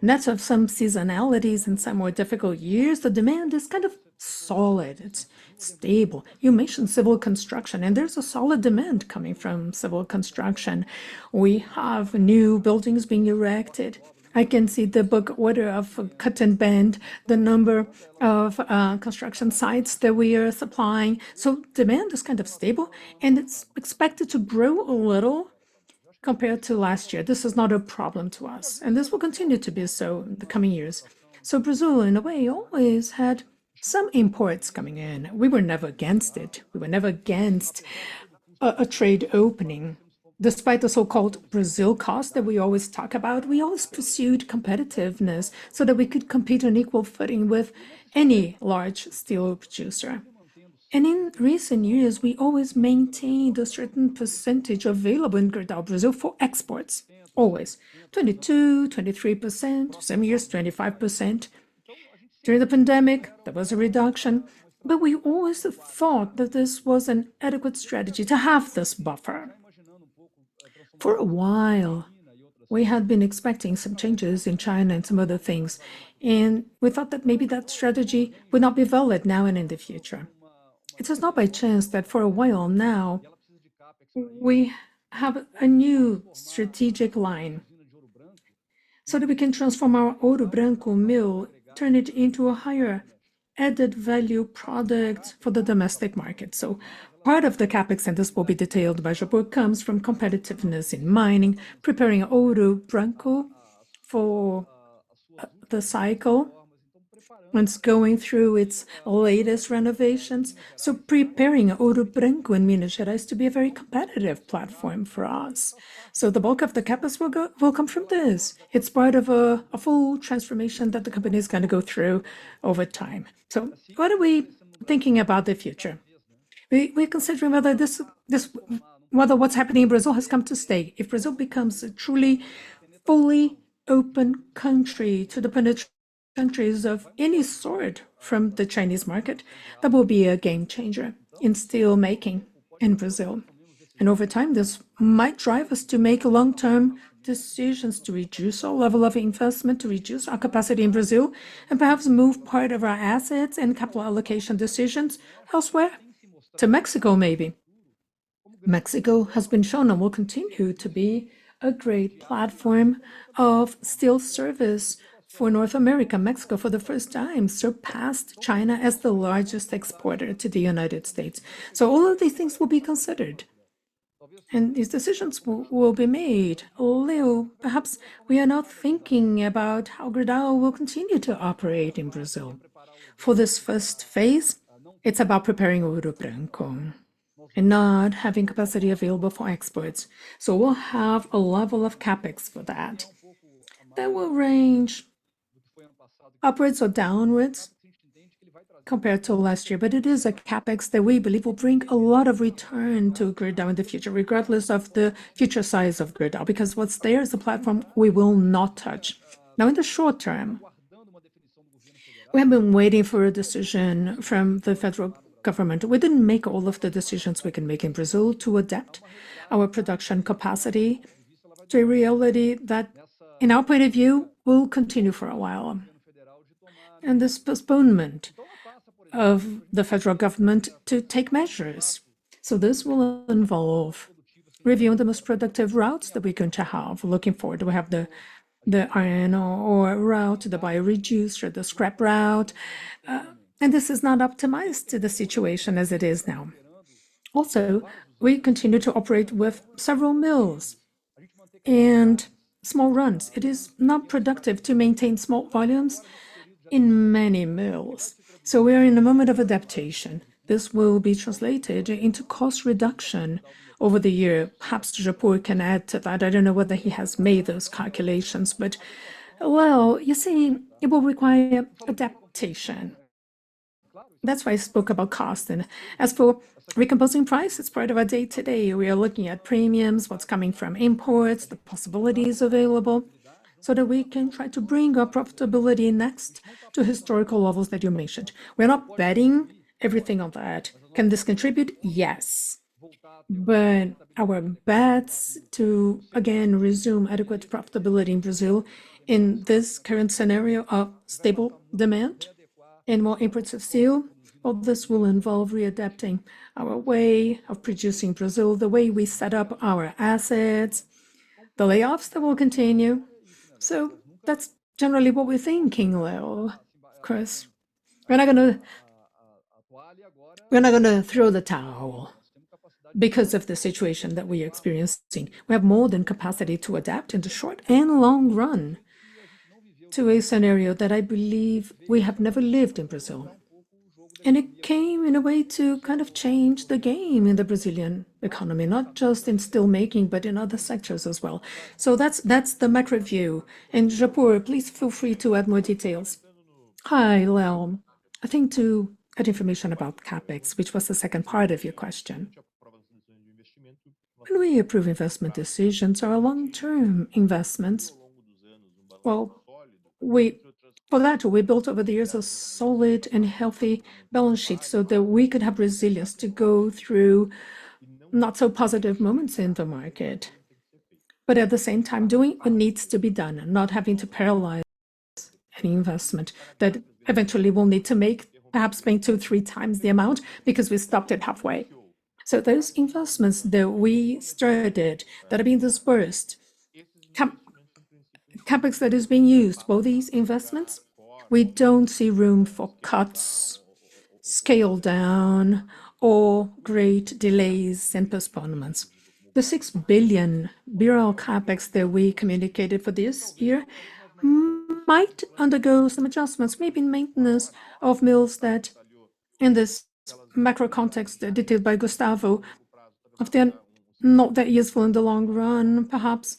net of some seasonalities in some more difficult years, the demand is kind of solid. It's stable. You mentioned civil construction, and there's a solid demand coming from civil construction. We have new buildings being erected. I can see the order book of cut and bend, the number of construction sites that we are supplying. So demand is kind of stable, and it's expected to grow a little compared to last year. This is not a problem to us, and this will continue to be so in the coming years. So Brazil, in a way, always had some imports coming in. We were never against it. We were never against a trade opening. Despite the so-called Brazil cost that we always talk about, we always pursued competitiveness so that we could compete on equal footing with any large steel producer. In recent years, we always maintained a certain percentage available in Gerdau Brazil for exports, always. 22%-23%, some years 25%. During the pandemic, there was a reduction, but we always thought that this was an adequate strategy to have this buffer. For a while, we had been expecting some changes in China and some other things, and we thought that maybe that strategy would not be valid now and in the future. It is not by chance that for a while now, we have a new strategic line so that we can transform our Ouro Branco mill, turn it into a higher added value product for the domestic market. So part of the CapEx, and this will be detailed by Japur, comes from competitiveness in mining, preparing Ouro Branco for the cycle. It's going through its latest renovations, so preparing Ouro Branco in Minas Gerais to be a very competitive platform for us. So the bulk of the CapEx will come from this. It's part of a full transformation that the company is gonna go through over time. So what are we thinking about the future? We're considering whether this—whether what's happening in Brazil has come to stay. If Brazil becomes a truly, fully open country to the penetration of countries of any sort from the Chinese market, that will be a game changer in steelmaking in Brazil. And over time, this might drive us to make long-term decisions to reduce our level of investment, to reduce our capacity in Brazil, and perhaps move part of our assets and capital allocation decisions elsewhere, to Mexico, maybe. Mexico has been shown and will continue to be a great platform of steel service for North America. Mexico, for the first time, surpassed China as the largest exporter to the United States. So all of these things will be considered, and these decisions will, will be made. Leo, perhaps we are not thinking about how Gerdau will continue to operate in Brazil. For this first phase, it's about preparing Ouro Branco and not having capacity available for exports. So we'll have a level of CapEx for that. That will range upwards or downwards compared to last year, but it is a CapEx that we believe will bring a lot of return to Gerdau in the future, regardless of the future size of Gerdau, because what's there is a platform we will not touch. Now, in the short term, we have been waiting for a decision from the federal government. We didn't make all of the decisions we can make in Brazil to adapt our production capacity to a reality that, in our point of view, will continue for a while, and this postponement of the federal government to take measures. So this will involve reviewing the most productive routes that we're going to have. Looking forward, do we have the iron ore route, the bio reducer, the scrap route? And this is not optimized to the situation as it is now. Also, we continue to operate with several mills and small runs. It is not productive to maintain small volumes in many mills, so we are in a moment of adaptation. This will be translated into cost reduction over the year. Perhaps Japur can add to that. I don't know whether he has made those calculations, but Well, you see, it will require adaptation. That's why I spoke about cost. And as for recomposing price, it's part of our day-to-day. We are looking at premiums, what's coming from imports, the possibilities available, so that we can try to bring our profitability next to historical levels that you mentioned. We're not betting everything on that. Can this contribute? Yes, but our bets to, again, resume adequate profitability in Brazil in this current scenario of stable demand and more imports of steel, well, this will involve readapting our way of producing Brazil, the way we set up our assets, the layoffs that will continue. So that's generally what we're thinking, Leo. Of course, we're not gonna, we're not gonna throw the towel because of the situation that we're experiencing. We have more than capacity to adapt in the short and long run to a scenario that I believe we have never lived in Brazil. It came in a way to kind of change the game in the Brazilian economy, not just in steelmaking, but in other sectors as well. So that's, that's the macro view, and Japur, please feel free to add more details. Hi, Leo. I think to add information about CapEx, which was the second part of your question. When we approve investment decisions or long-term investments, well, for that, we built over the years a solid and healthy balance sheet so that we could have resilience to go through not so positive moments in the market, but at the same time, doing what needs to be done and not having to paralyze any investment that eventually we'll need to make, perhaps make two or three times the amount because we stopped it halfway. So those investments that we started, that are being disbursed, Cap, CapEx that is being used for these investments, we don't see room for cuts, scale down, or great delays and postponements. The 6 billion CapEx that we communicated for this year might undergo some adjustments, maybe in maintenance of mills that, in this macro context detailed by Gustavo, are then not that useful in the long run. Perhaps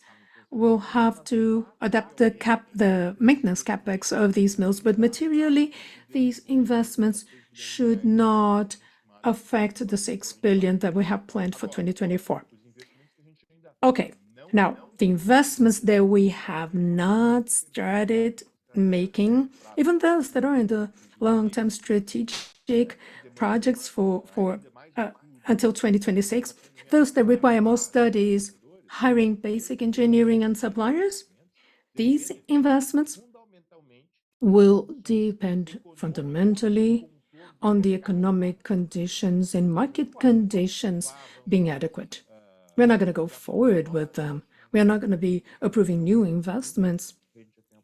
we'll have to adapt the Cap the maintenance CapEx of these mills, but materially, these investments should not affect the 6 billion that we have planned for 2024. Okay, now, the investments that we have not started making, even those that are in the long-term strategic projects for, for, until 2026, those that require more studies, hiring basic engineering and suppliers, these investments will depend fundamentally on the economic conditions and market conditions being adequate. We're not gonna go forward with them. We are not gonna be approving new investments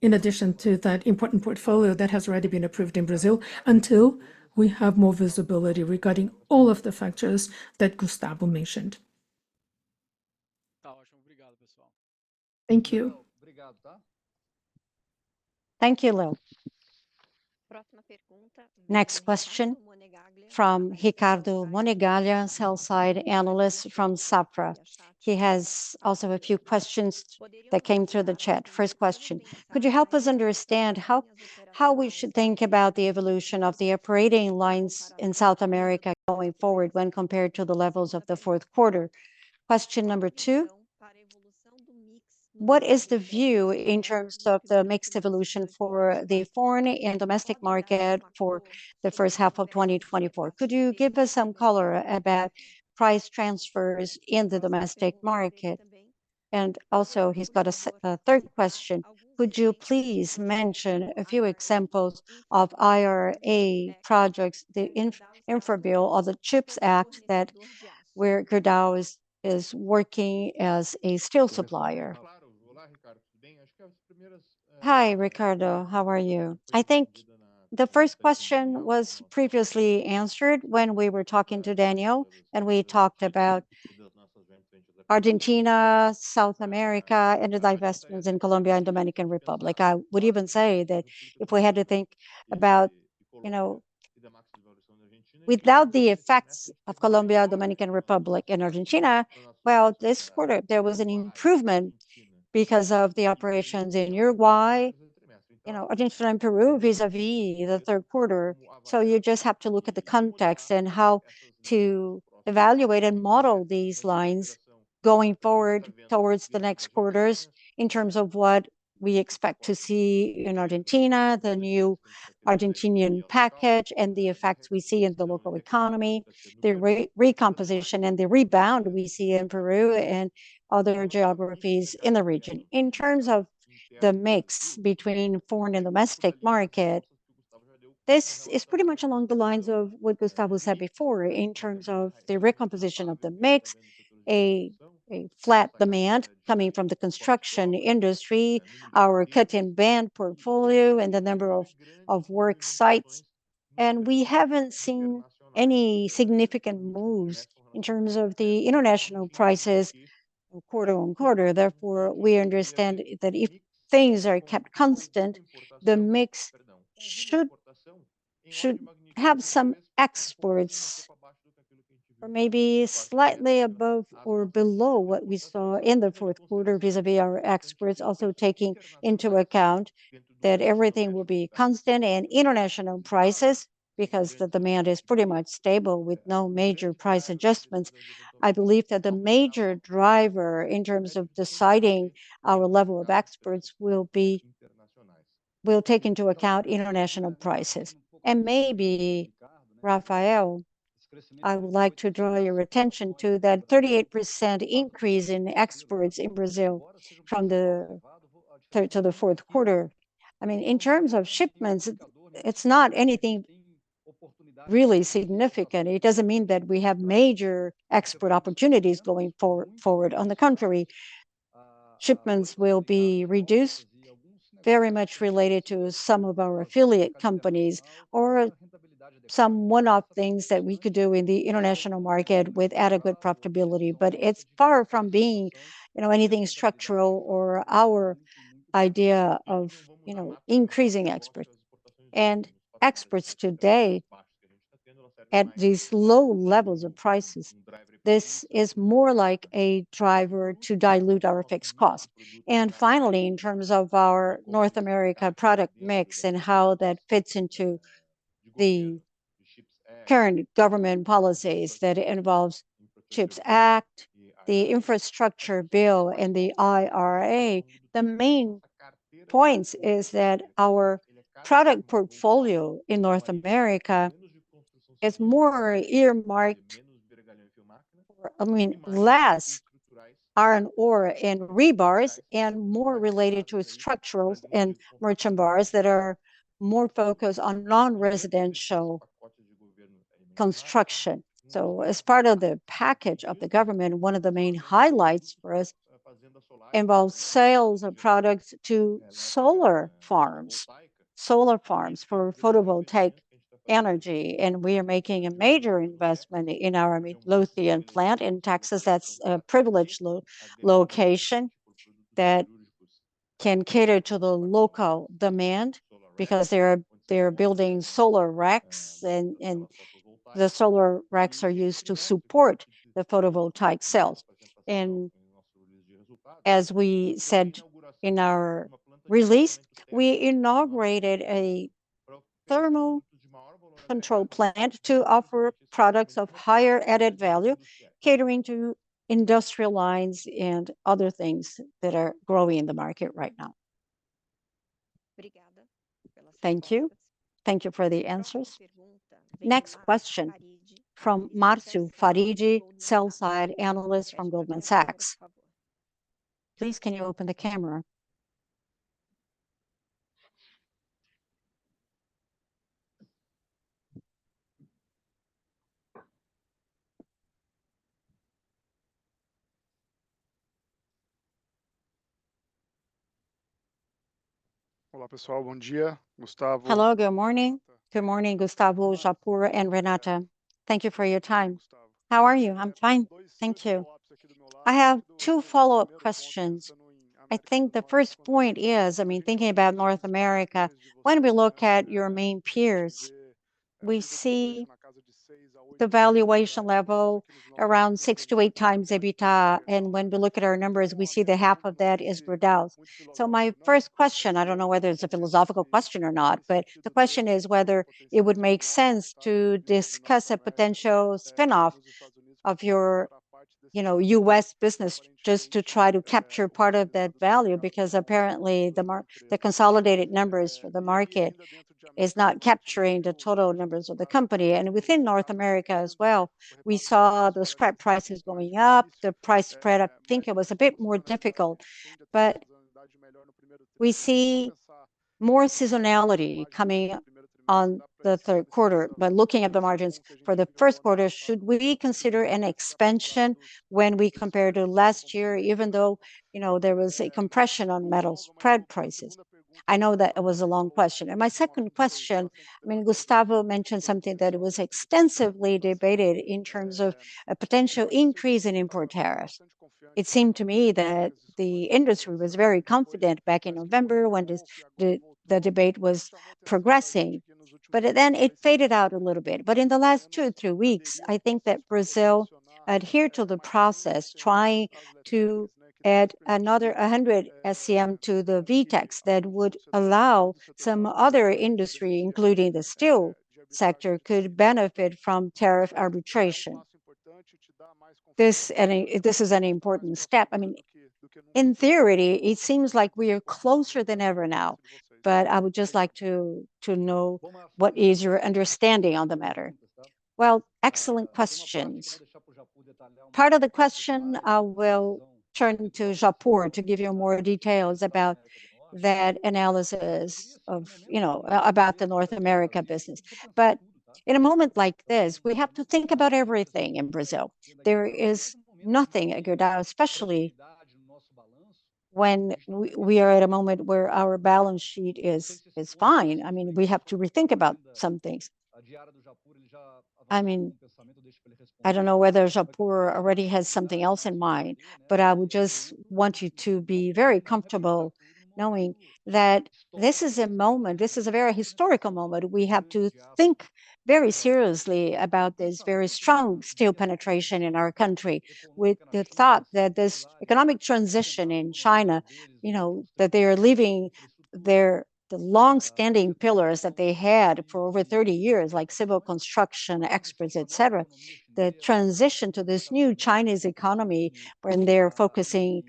in addition to that important portfolio that has already been approved in Brazil, until we have more visibility regarding all of the factors that Gustavo mentioned. Thank you. Thank you, Leo. Next question from Ricardo Monegaglia, sell-side analyst from Safra. He has also a few questions that came through the chat. First question: Could you help us understand how, how we should think about the evolution of the operating lines in South America going forward when compared to the levels of the fourth quarter? Question number two: What is the view in terms of the mixed evolution for the foreign and domestic market for the first half of 2024? Could you give us some color about price transfers in the domestic market? And also, he's got a third question: Would you please mention a few examples of IRA projects, the Infrastructure Bill or the CHIPS Act, that where Gerdau is working as a steel supplier? Hi, Ricardo, how are you? I think the first question was previously answered when we were talking to Daniel, and we talked about Argentina, South America, and the divestments in Colombia and Dominican Republic. I would even say that if we had to think about, you know, without the effects of Colombia, Dominican Republic, and Argentina, well, this quarter there was an improvement because of the operations in Uruguay, you know, Argentina, and Peru, vis-à-vis the third quarter. So you just have to look at the context and how to evaluate and model these lines going forward towards the next quarters in terms of what we expect to see in Argentina, the new Argentinian package, and the effects we see in the local economy, the recomposition and the rebound we see in Peru and other geographies in the region. In terms of the mix between foreign and domestic market, this is pretty much along the lines of what Gustavo said before. In terms of the recomposition of the mix, a flat demand coming from the construction industry, our cut-and-bend portfolio, and the number of work sites, and we haven't seen any significant moves in terms of the international prices quarter on quarter. Therefore, we understand that if things are kept constant, the mix should have some exports, or maybe slightly above or below what we saw in the fourth quarter, visa our exports. Also taking into account that everything will be constant in international prices because the demand is pretty much stable, with no major price adjustments. I believe that the major driver in terms of deciding our level of exports will be, will take into account international prices. And maybe, Rafael, I would like to draw your attention to that 38% increase in exports in Brazil from the third to the fourth quarter. I mean, in terms of shipments, it's not anything really significant. It doesn't mean that we have major export opportunities going forward. On the contrary, shipments will be reduced, very much related to some of our affiliate companies or some one-off things that we could do in the international market with adequate profitability. But it's far from being, you know, anything structural or our idea of, you know, increasing exports. And exports today, at these low levels of prices, this is more like a driver to dilute our fixed costs. Finally, in terms of our North America product mix and how that fits into the current government policies that involve CHIPS Act, the Infrastructure Bill, and the IRA, the main points is that our product portfolio in North America is more earmarked. I mean, less iron ore and rebars, and more related to structurals and merchant bars that are more focused on non-residential construction. So as part of the package of the government, one of the main highlights for us involves sales of products to solar farms, solar farms for photovoltaic energy, and we are making a major investment in our Midlothian plant in Texas. That's a privileged location that can cater to the local demand, because they're building solar racks, and the solar racks are used to support the photovoltaic cells. And as we said in our release, we inaugurated a-... thermal control plant to offer products of higher added value, catering to industrial lines and other things that are growing in the market right now. Thank you. Thank you for the answers. Next question from Marcio Farid, sell-side analyst from Goldman Sachs. Please, can you open the camera? Hello, good morning. Good morning, Gustavo, Japur, and Renata. Thank you for your time. How are you? I'm fine, thank you. I have two follow-up questions. I think the first point is, I mean, thinking about North America, when we look at your main peers, we see the valuation level around six to eight times EBITDA, and when we look at our numbers, we see that half of that is Gerdau's. So my first question, I don't know whether it's a philosophical question or not, but the question is whether it would make sense to discuss a potential spin-off of your, you know, U.S. business just to try to capture part of that value, because apparently the market, the consolidated numbers for the market is not capturing the total numbers of the company. And within North America as well, we saw the scrap prices going up, the price spread, I think it was a bit more difficult. But we see more seasonality coming up on the third quarter. By looking at the margins for the first quarter, should we consider an expansion when we compare to last year, even though, you know, there was a compression on metal spread prices? I know that it was a long question. My second question, I mean, Gustavo mentioned something that was extensively debated in terms of a potential increase in import tariffs. It seemed to me that the industry was very confident back in November when the debate was progressing, but then it faded out a little bit. But in the last two or three weeks, I think that Brazil adhered to the process, trying to add another 100 SCM to the VTEX that would allow some other industry, including the steel sector, could benefit from tariff arbitration. This and this is an important step. I mean, in theory, it seems like we are closer than ever now, but I would just like to know what is your understanding on the matter? Well, excellent questions. Part of the question, I will turn to Japur to give you more details about that analysis of, you know, about the North America business. But in a moment like this, we have to think about everything in Brazil. There is nothing at Gerdau, especially when we are at a moment where our balance sheet is fine. I mean, we have to rethink about some things. I mean, I don't know whether Japur already has something else in mind, but I would just want you to be very comfortable knowing that this is a moment, this is a very historical moment. We have to think very seriously about this very strong steel penetration in our country, with the thought that this economic transition in China, you know, that they're leaving their... The long-standing pillars that they had for over 30 years, like civil construction, exports, et cetera, the transition to this new Chinese economy, when they're focusing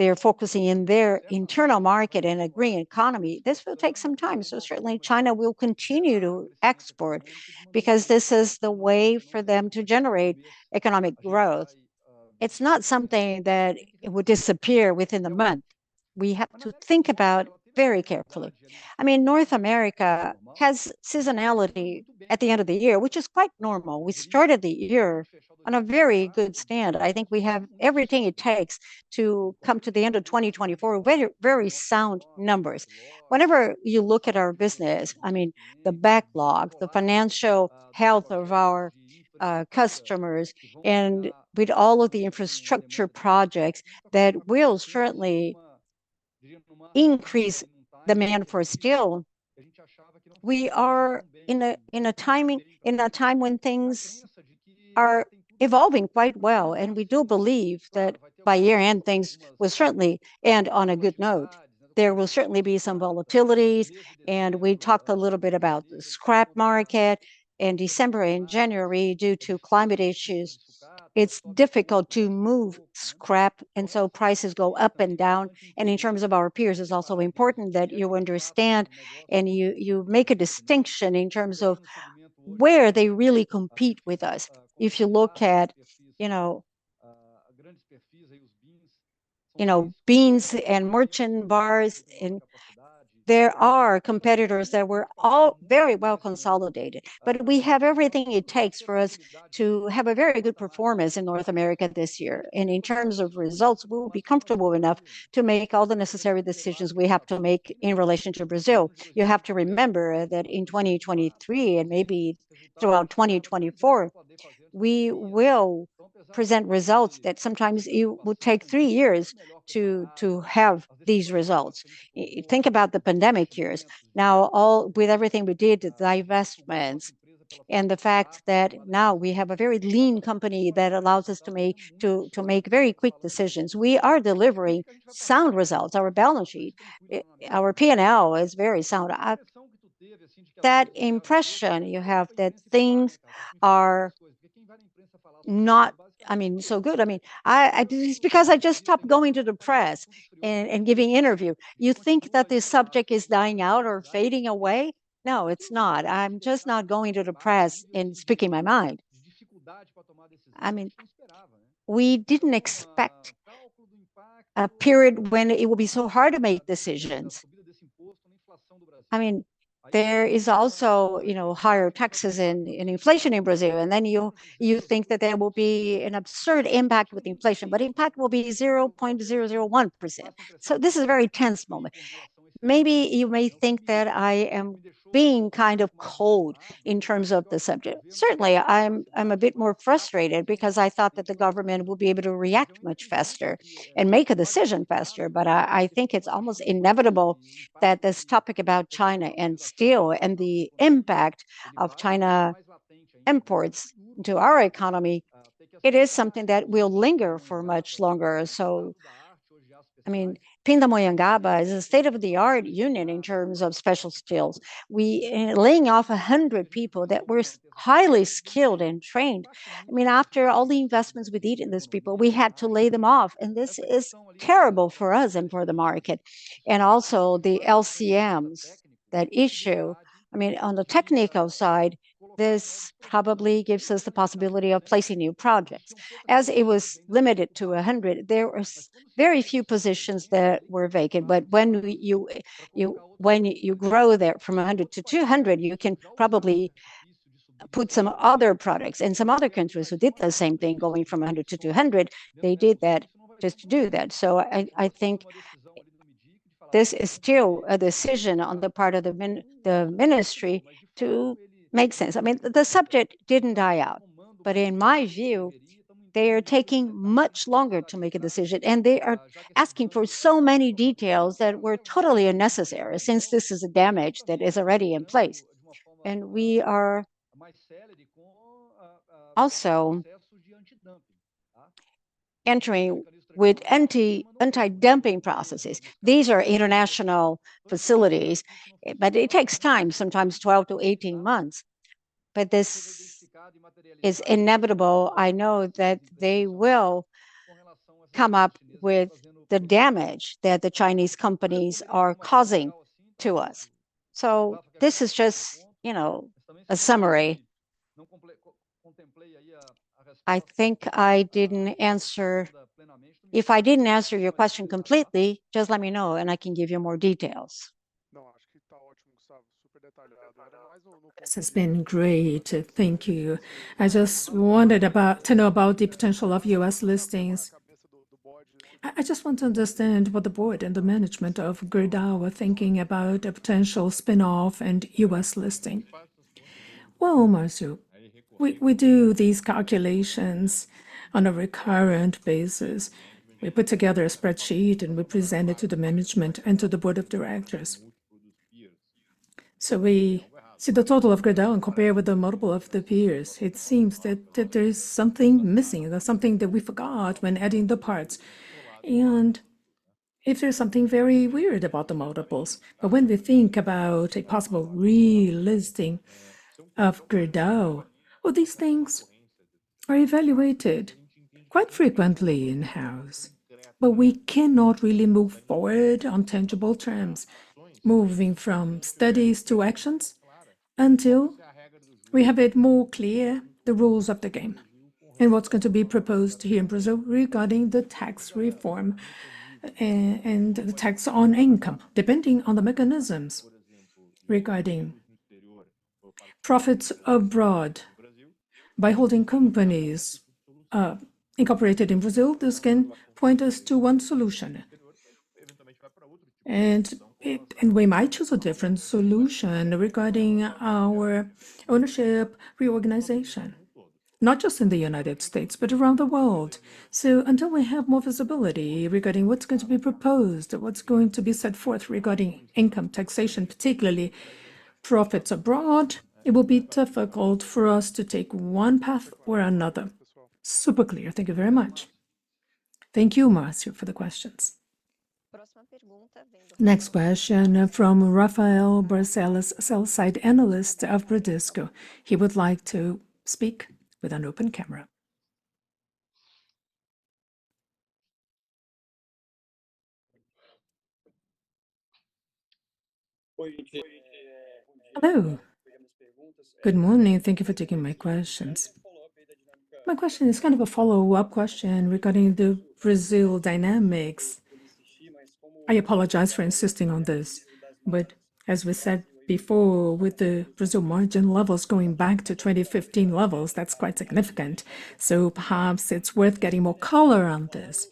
in their internal market in a green economy, this will take some time. So certainly China will continue to export, because this is the way for them to generate economic growth. It's not something that it would disappear within the month. We have to think about very carefully. I mean, North America has seasonality at the end of the year, which is quite normal. We started the year on a very good standard. I think we have everything it takes to come to the end of 2024, very, very sound numbers. Whenever you look at our business, I mean, the backlog, the financial health of our customers, and with all of the infrastructure projects, that will certainly increase demand for steel. We are in a timing, in a time when things are evolving quite well, and we do believe that by year-end, things will certainly end on a good note. There will certainly be some volatilities, and we talked a little bit about the scrap market. In December and January, due to climate issues, it's difficult to move scrap, and so prices go up and down. In terms of our peers, it's also important that you understand and you, you make a distinction in terms of where they really compete with us. If you look at, you know, you know, beams and merchant bars, and there are competitors that were all very well consolidated. But we have everything it takes for us to have a very good performance in North America this year. And in terms of results, we'll be comfortable enough to make all the necessary decisions we have to make in relation to Brazil. You have to remember that in 2023, and maybe throughout 2024, we will present results that sometimes it would take three years to have these results. You think about the pandemic years. Now, with everything we did, the divestments, and the fact that now we have a very lean company that allows us to make very quick decisions, we are delivering sound results. Our balance sheet, our P&L is very sound. That impression you have that things are not, I mean, so good. I mean, it's because I just stopped going to the press and giving interview. You think that this subject is dying out or fading away? No, it's not. I'm just not going to the press and speaking my mind. I mean, we didn't expect a period when it will be so hard to make decisions. I mean, there is also, you know, higher taxes and, and inflation in Brazil, and then you, you think that there will be an absurd impact with inflation, but impact will be 0.0001%. So this is a very tense moment. Maybe you may think that I am being kind of cold in terms of the subject. Certainly, I'm, I'm a bit more frustrated because I thought that the government will be able to react much faster and make a decision faster. But I think it's almost inevitable that this topic about China and steel and the impact of China imports to our economy, it is something that will linger for much longer. So, I mean, Pindamonhangaba is a state-of-the-art unit in terms of special steels. We laying off 100 people that were highly skilled and trained. I mean, after all the investments we did in these people, we had to lay them off, and this is terrible for us and for the market. And also the LCMs, that issue, I mean, on the technical side, this probably gives us the possibility of placing new projects. As it was limited to 100, there was very few positions that were vacant, but when you grow that from 100 to 200, you can probably put some other products. And some other countries who did the same thing, going from 100-200, they did that just to do that. So I think this is still a decision on the part of the ministry to make sense. I mean, the subject didn't die out, but in my view, they are taking much longer to make a decision, and they are asking for so many details that were totally unnecessary, since this is a damage that is already in place. And we are also entering with anti-dumping processes. These are international facilities, but it takes time, sometimes 12-18 months. But this is inevitable. I know that they will come up with the damage that the Chinese companies are causing to us. So this is just, you know, a summary. I think I didn't answer... If I didn't answer your question completely, just let me know, and I can give you more details. This has been great. Thank you. I just wondered about, to know about the potential of U.S. listings. I, I just want to understand what the board and the management of Gerdau were thinking about a potential spin-off and U.S. listing. Well, Marcio, we, we do these calculations on a recurrent basis. We put together a spreadsheet, and we present it to the management and to the board of directors. So we see the total of Gerdau and compare with the multiple of the peers. It seems that, that there is something missing, there's something that we forgot when adding the parts, and it is something very weird about the multiples. But when we think about a possible re-listing of Gerdau, well, these things are evaluated quite frequently in-house, but we cannot really move forward on tangible terms, moving from studies to actions, until we have it more clear, the rules of the game, and what's going to be proposed here in Brazil regarding the tax reform, and the tax on income. Depending on the mechanisms regarding profits abroad by holding companies, incorporated in Brazil, this can point us to one solution, and we might choose a different solution regarding our ownership reorganization, not just in the United States, but around the world. So until we have more visibility regarding what's going to be proposed, what's going to be set forth regarding income taxation, particularly profits abroad, it will be difficult for us to take one path or another. Super clear. Thank you very much. Thank you, Marcio, for the questions. Next question from Rafael Barcellos, sell-side analyst of Bradesco. He would like to speak with an open camera. Hello. Good morning, thank you for taking my questions. My question is kind of a follow-up question regarding the Brazil dynamics. I apologize for insisting on this, but as we said before, with the Brazil margin levels going back to 2015 levels, that's quite significant. So perhaps it's worth getting more color on this.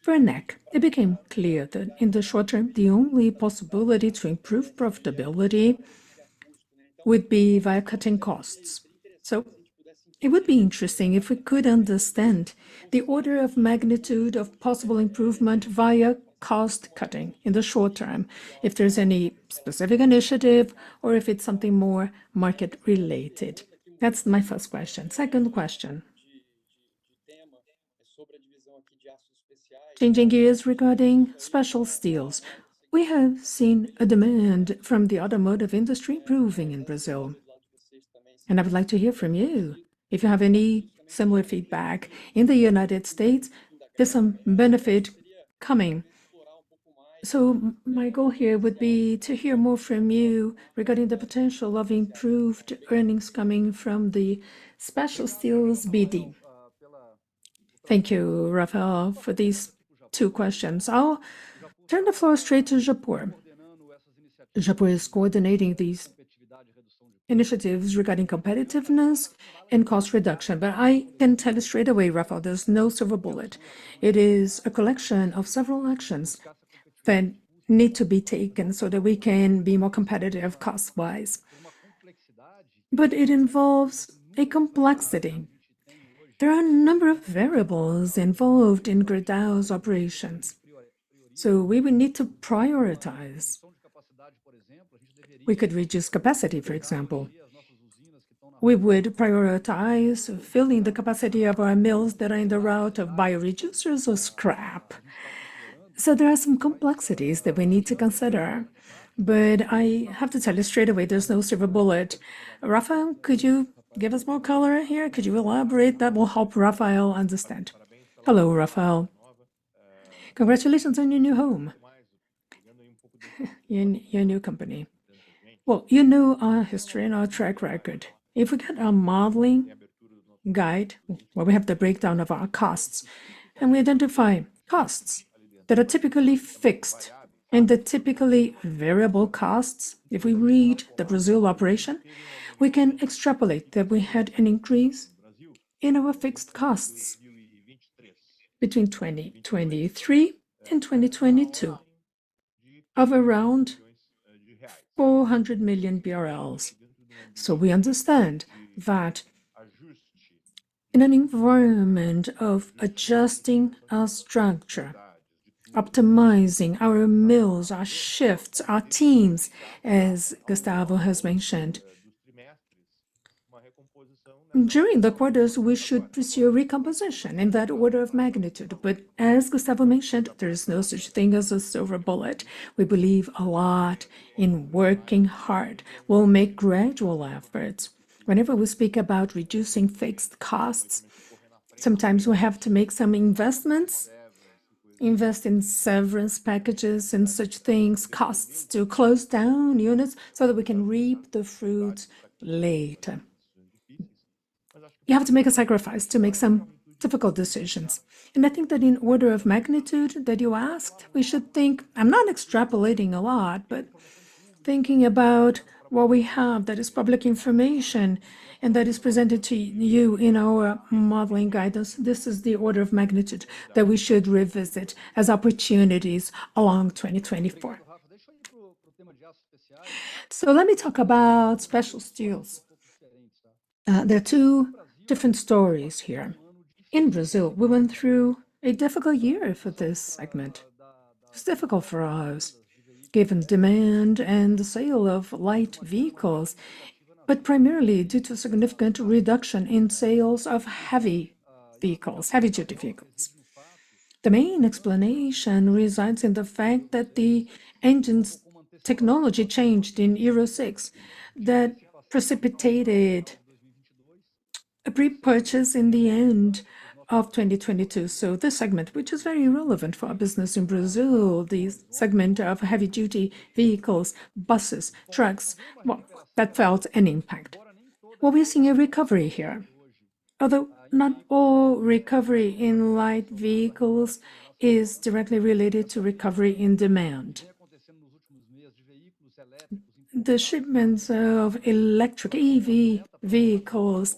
For next, it became clear that in the short term, the only possibility to improve profitability would be via cutting costs. So it would be interesting if we could understand the order of magnitude of possible improvement via cost cutting in the short term, if there's any specific initiative or if it's something more market-related. That's my first question. Second question Changing gears regarding special steels. We have seen a demand from the automotive industry improving in Brazil, and I would like to hear from you if you have any similar feedback. In the United States, there's some benefit coming. So my goal here would be to hear more from you regarding the potential of improved earnings coming from the special steels BD. Thank you, Rafael, for these two questions. I'll turn the floor straight to Japur. Japur is coordinating these initiatives regarding competitiveness and cost reduction, but I can tell you straight away, Rafael, there's no silver bullet. It is a collection of several actions that need to be taken so that we can be more competitive cost-wise, but it involves a complexity. There are a number of variables involved in Gerdau's operations, so we will need to prioritize. We could reduce capacity, for example. We would prioritize filling the capacity of our mills that are in the route of bio reducers or scrap. So there are some complexities that we need to consider, but I have to tell you straight away, there's no silver bullet. Rafael, could you give us more color here? Could you elaborate? That will help Rafael understand. Hello, Rafael. Congratulations on your new home, your, your new company. Well, you know our history and our track record. If we get a modeling guide, where we have the breakdown of our costs, and we identify costs that are typically fixed and the typically variable costs, if we read the Brazil operation, we can extrapolate that we had an increase in our fixed costs between 2023 and 2022, of around 400 million BRL. So we understand that in an environment of adjusting our structure, optimizing our mills, our shifts, our teams, as Gustavo has mentioned, during the quarters, we should pursue a recomposition in that order of magnitude. But as Gustavo mentioned, there is no such thing as a silver bullet. We believe a lot in working hard. We'll make gradual efforts. Whenever we speak about reducing fixed costs, sometimes we have to make some investments, invest in severance packages and such things, costs to close down units so that we can reap the fruit later. You have to make a sacrifice to make some difficult decisions. And I think that in order of magnitude that you asked, we should think... I'm not extrapolating a lot, but thinking about what we have, that is public information, and that is presented to you in our modeling guidance, this is the order of magnitude that we should revisit as opportunities along 2024. So let me talk about special steels. There are two different stories here. In Brazil, we went through a difficult year for this segment. It's difficult for us, given demand and the sale of light vehicles, but primarily due to a significant reduction in sales of heavy vehicles, heavy-duty vehicles. The main explanation resides in the fact that the engines technology changed in Euro 6. That precipitated a pre-purchase in the end of 2022. So this segment, which is very relevant for our business in Brazil, the segment of heavy-duty vehicles, buses, trucks, well, that felt an impact. Well, we're seeing a recovery here, although not all recovery in light vehicles is directly related to recovery in demand. The shipments of electric EV vehicles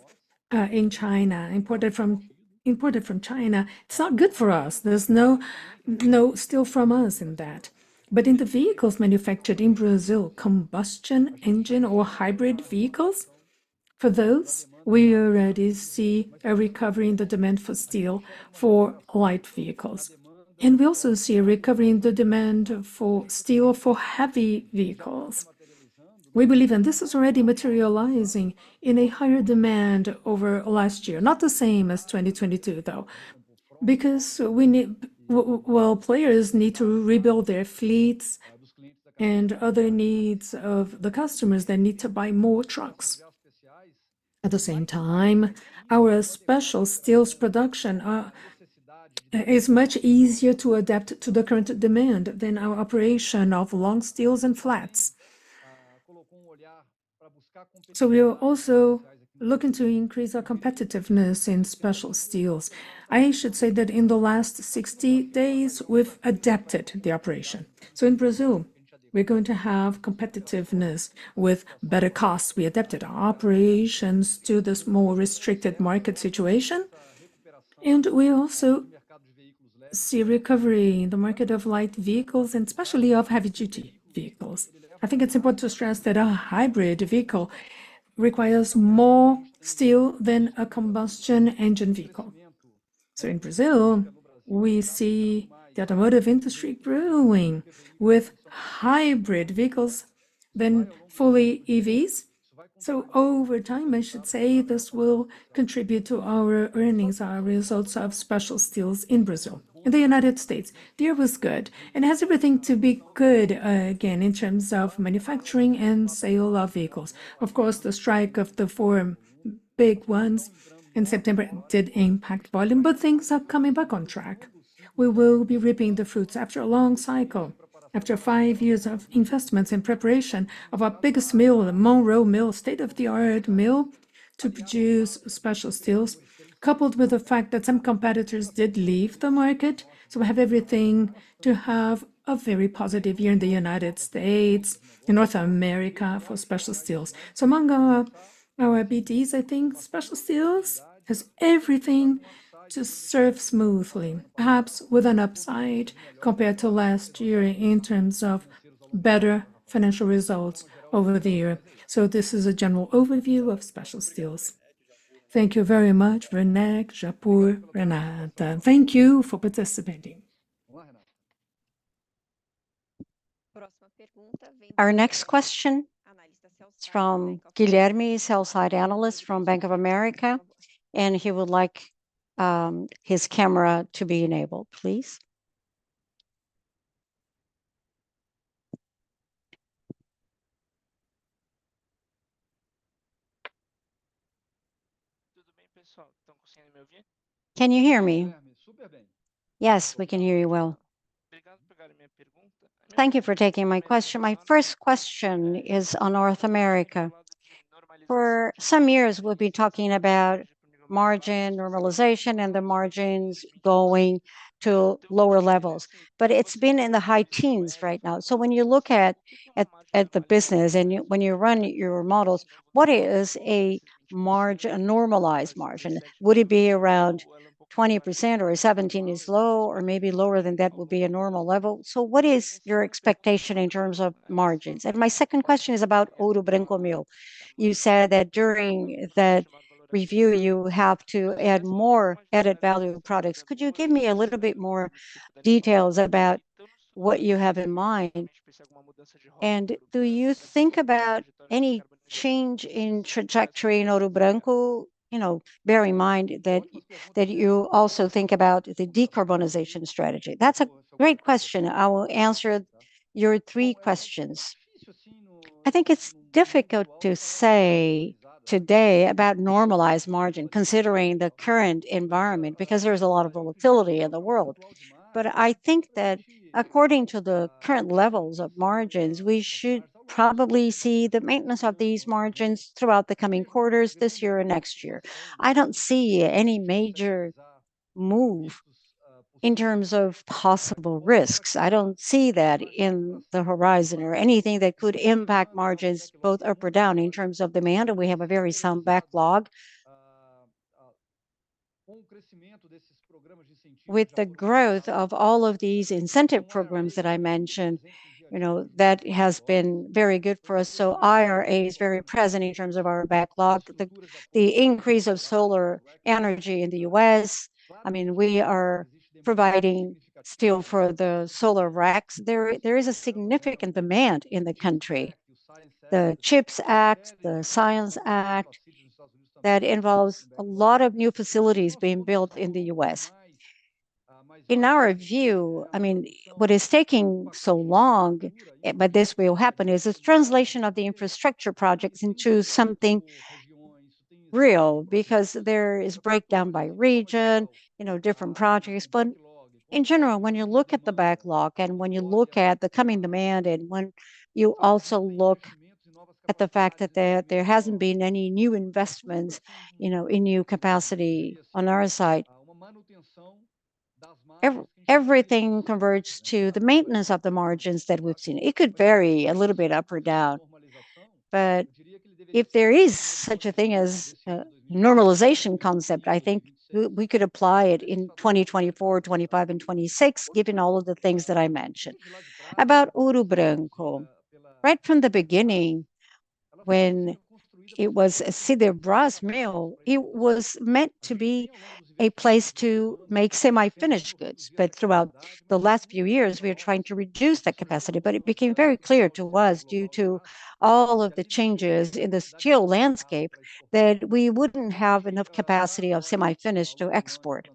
in China, imported from, imported from China, it's not good for us. There's no, no steel from us in that. But in the vehicles manufactured in Brazil, combustion engine or hybrid vehicles, for those, we already see a recovery in the demand for steel, for light vehicles. We also see a recovery in the demand for steel, for heavy vehicles. We believe, and this is already materializing in a higher demand over last year. Not the same as 2022, though, because players need to rebuild their fleets and other needs of the customers. They need to buy more trucks. At the same time, our special steels production is much easier to adapt to the current demand than our operation of long steels and flats. So we are also looking to increase our competitiveness in special steels. I should say that in the last 60 days, we've adapted the operation. So in Brazil, we're going to have competitiveness with better costs. We adapted our operations to this more restricted market situation, and we also see recovery in the market of light vehicles, and especially of heavy-duty vehicles. I think it's important to stress that a hybrid vehicle requires more steel than a combustion engine vehicle. So in Brazil, we see the automotive industry growing with hybrid vehicles than fully EVs. So over time, I should say, this will contribute to our earnings, our results of special steels in Brazil. In the United States, the year was good, and has everything to be good, again, in terms of manufacturing and sale of vehicles. Of course, the strike of the four big ones in September did impact volume, but things are coming back on track. We will be reaping the fruits after a long cycle, after five years of investments in preparation of our biggest mill, the Monroe Mill, state-of-the-art mill, to produce special steels, coupled with the fact that some competitors did leave the market. So we have everything to have a very positive year in the United States, in North America, for special steels. So among our BDs, I think special steels has everything to serve smoothly, perhaps with an upside compared to last year in terms of better financial results over the year. So this is a general overview of special steels. Thank you very much, Renata, Rafael Japur. Thank you for participating. Our next question is from Guilherme, sell-side analyst from Bank of America, and he would like his camera to be enabled, please. Can you hear me? Yes, we can hear you well. Thank you for taking my question. My first question is on North America. For some years, we've been talking about margin normalization and the margins going to lower levels, but it's been in the high teens right now. So when you look at the business and you when you run your models, what is a margin, a normalized margin? Would it be around 20%, or 17 is low, or maybe lower than that would be a normal level? So what is your expectation in terms of margins? And my second question is about Ouro Branco mill. You said that during that review, you have to add more added value products. Could you give me a little bit more details about what you have in mind? And do you think about any change in trajectory in Ouro Branco? You know, bear in mind that, that you also think about the decarbonization strategy. That's a great question. I will answer your three questions. I think it's difficult to say today about normalized margin, considering the current environment, because there is a lot of volatility in the world. But I think that according to the current levels of margins, we should probably see the maintenance of these margins throughout the coming quarters, this year or next year. I don't see any major move in terms of possible risks. I don't see that in the horizon or anything that could impact margins, both up or down. In terms of demand, we have a very sound backlog. With the growth of all of these incentive programs that I mentioned, you know, that has been very good for us. So IRA is very present in terms of our backlog. The increase of solar energy in the U.S., I mean, we are providing steel for the solar racks. There is a significant demand in the country. The CHIPS Act, the Science Act, that involves a lot of new facilities being built in the U.S. In our view, I mean, what is taking so long, but this will happen, is this translation of the infrastructure projects into something real, because there is breakdown by region, you know, different projects. But in general, when you look at the backlog and when you look at the coming demand, and when you also look at the fact that there hasn't been any new investments, you know, in new capacity on our side, everything converts to the maintenance of the margins that we've seen. It could vary a little bit up or down, but if there is such a thing as a normalization concept, I think we could apply it in 2024, 2025, and 2026, given all of the things that I mentioned. About Ouro Branco, right from the beginning, when it was a Siderbrás mill, it was meant to be a place to make semi-finished goods. But throughout the last few years, we are trying to reduce that capacity. But it became very clear to us, due to all of the changes in the steel landscape, that we wouldn't have enough capacity of semi-finished to export.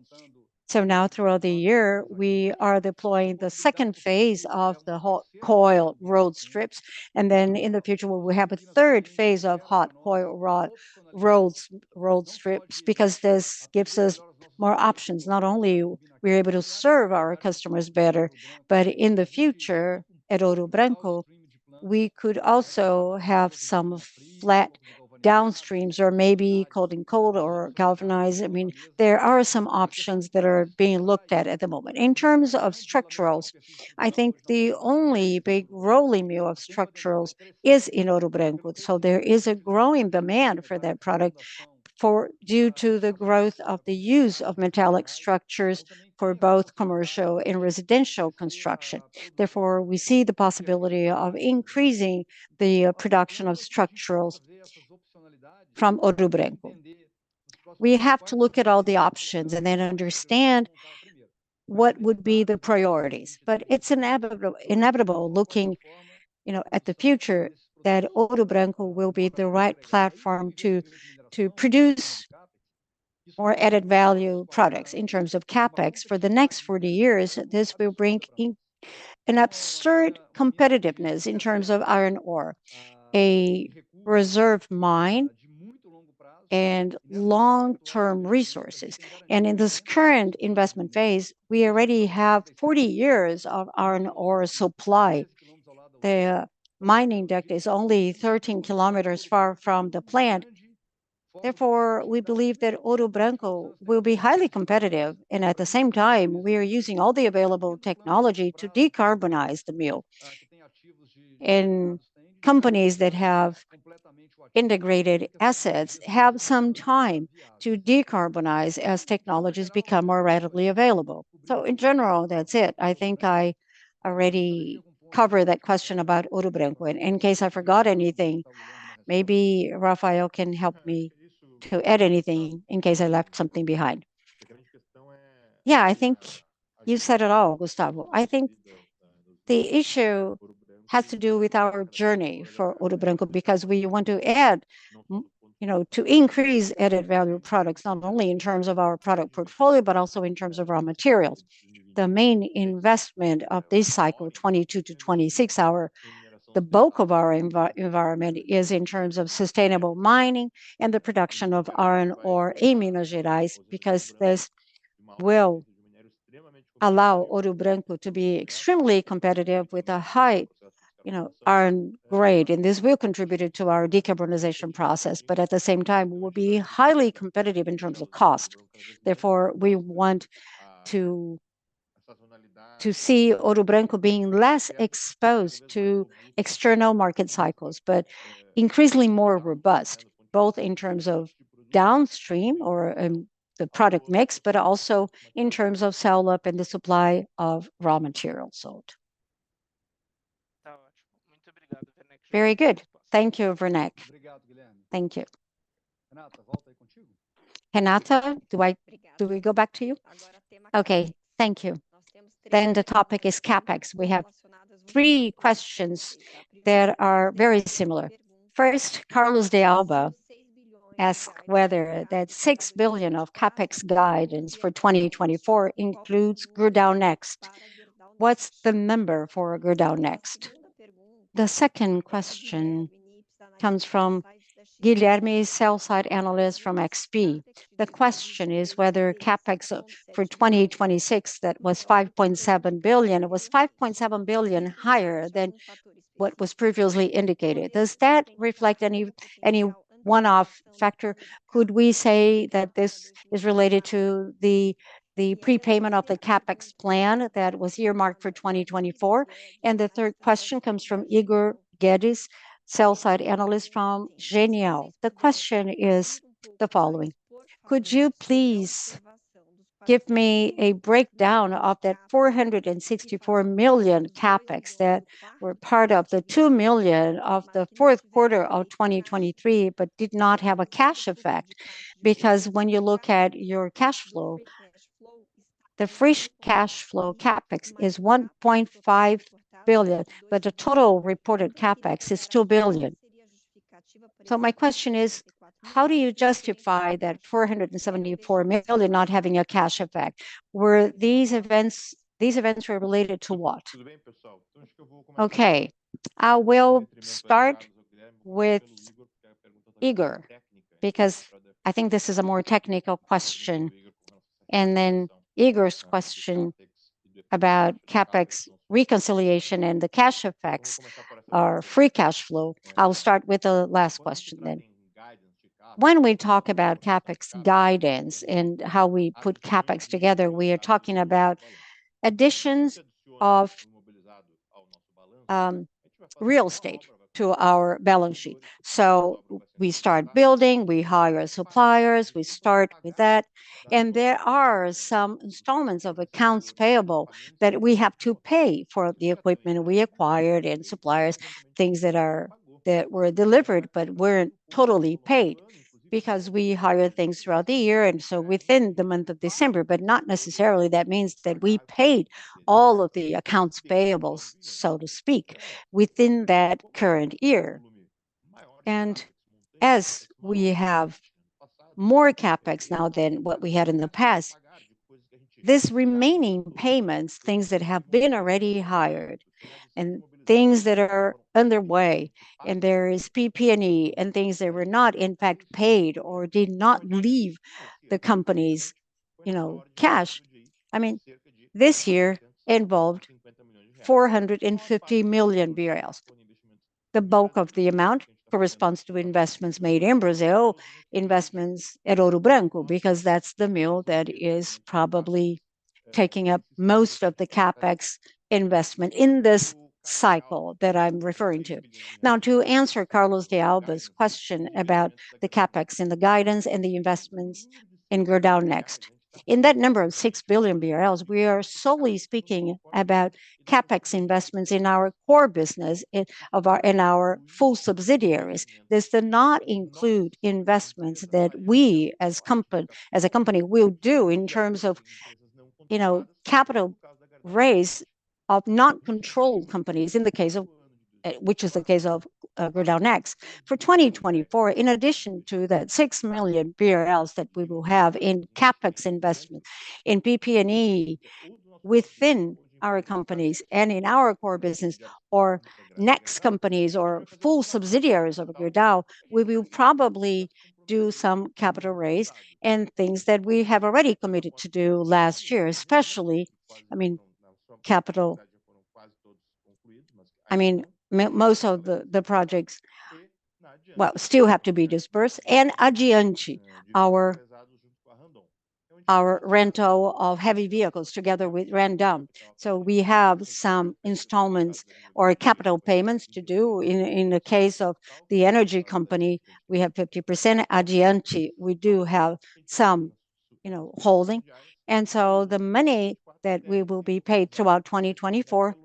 So now, throughout the year, we are deploying the second phase of the hot coil rolled strips, and then in the future, we will have a third phase of hot coil rolled strips, because this gives us more options. Not only we're able to serve our customers better, but in the future, at Ouro Branco, we could also have some flat downstreams or maybe cold and cold or galvanized. I mean, there are some options that are being looked at at the moment. In terms of structurals, I think the only big rolling mill of structurals is in Ouro Branco, so there is a growing demand for that product for... Due to the growth of the use of metallic structures for both commercial and residential construction. Therefore, we see the possibility of increasing the production of structurals from Ouro Branco. We have to look at all the options and then understand what would be the priorities. But it's inevitable, looking, you know, at the future, that Ouro Branco will be the right platform to, to produce more added value products in terms of CapEx for the next 40 years. This will bring in an absurd competitiveness in terms of iron ore, a reserve mine, and long-term resources. And in this current investment phase, we already have 40 years of iron ore supply. The mining deck is only 13 kilometers far from the plant. Therefore, we believe that Ouro Branco will be highly competitive, and at the same time, we are using all the available technology to decarbonize the mill. Companies that have integrated assets have some time to decarbonize as technologies become more readily available. So in general, that's it. I think I already covered that question about Ouro Branco, and in case I forgot anything, maybe Rafael can help me to add anything in case I left something behind. Yeah, I think you said it all, Gustavo. I think the issue has to do with our journey for Ouro Branco, because we want to add, you know, to increase added value products, not only in terms of our product portfolio, but also in terms of raw materials. The main investment of this cycle, 2022-2026, our... The bulk of our environment is in terms of sustainable mining and the production of iron ore in Minas Gerais, because this will allow Ouro Branco to be extremely competitive with a high, you know, iron grade, and this will contribute to our decarbonization process, but at the same time, we will be highly competitive in terms of cost. Therefore, we want to see Ouro Branco being less exposed to external market cycles, but increasingly more robust, both in terms of downstream or the product mix, but also in terms of sell-up and the supply of raw materials. Very good. Thank you, Werneck. Thank you. Renata, do we go back to you? Okay, thank you. Then the topic is CapEx. We have three questions that are very similar. First, Carlos de Alba asked whether that 6 billion of CapEx guidance for 2024 includes Gerdau Next. What's the number for Gerdau Next? The second question comes from Guilherme, sell-side analyst from XP. The question is whether CapEx for 2026, that was 5.7 billion, it was 5.7 billion higher than what was previously indicated. Does that reflect any one-off factor? Could we say that this is related to the prepayment of the CapEx plan that was earmarked for 2024? The third question comes from Igor Guedes, sell-side analyst from Genial. The question is the following: Could you please give me a breakdown of that 464 million CapEx that were part of the 2 million of the fourth quarter of 2023, but did not have a cash effect? Because when you look at your cash flow, the free cash flow CapEx is 1.5 billion, but the total reported CapEx is 2 billion. So my question is: How do you justify that 474 million not having a cash effect? Were these events... These events were related to what? Okay, I will start with Igor, because I think this is a more technical question. And then Igor's question about CapEx reconciliation and the cash effects are free cash flow. I'll start with the last question then. When we talk about CapEx guidance and how we put CapEx together, we are talking about additions of real estate to our balance sheet. So we start building, we hire suppliers, we start with that, and there are some installments of accounts payable that we have to pay for the equipment we acquired and suppliers, things that were delivered but weren't totally paid, because we hire things throughout the year, and so within the month of December. But not necessarily that means that we paid all of the accounts payables, so to speak, within that current year. And as we have more CapEx now than what we had in the past, these remaining payments, things that have been already hired and things that are underway, and there is PP&E and things that were not, in fact, paid or did not leave the company's, you know, cash. I mean, this year involved 450 million BRL. The bulk of the amount corresponds to investments made in Brazil, investments at Ouro Branco, because that's the mill that is probably taking up most of the CapEx investment in this cycle that I'm referring to. Now, to answer Carlos de Alba's question about the CapEx and the guidance and the investments in Gerdau Next.... In that number of 6 billion BRL, we are solely speaking about CapEx investments in our core business, in, of our, in our full subsidiaries. This does not include investments that we, as company, as a company will do in terms of, you know, capital raise of not controlled companies, in the case of, which is the case of, Gerdau Next. For 2024, in addition to that 6 million BRL that we will have in CapEx investments, in PP&E within our companies and in our core business or Next companies or full subsidiaries of Gerdau, we will probably do some capital raise and things that we have already committed to do last year, especially, I mean, capital. I mean, most of the projects, well, still have to be disbursed. And Addiante, our rental of heavy vehicles together with Randon. So we have some installments or capital payments to do. In the case of the energy company, we have 50% Addiante. We do have some, you know, holding. And so the money that we will be paid throughout 2024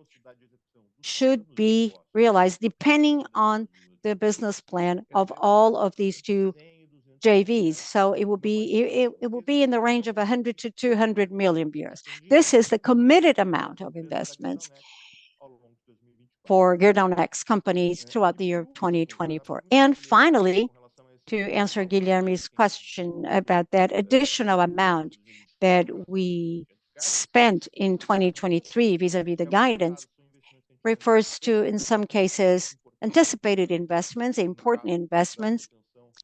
should be realized depending on the business plan of all of these two JVs. So it will be in the range of 100-200 million BRL. This is the committed amount of investments for Gerdau Next companies throughout the year of 2024. And finally, to answer Guilherme's question about that additional amount that we spent in 2023, vis-à-vis the guidance, refers to, in some cases, anticipated investments, important investments.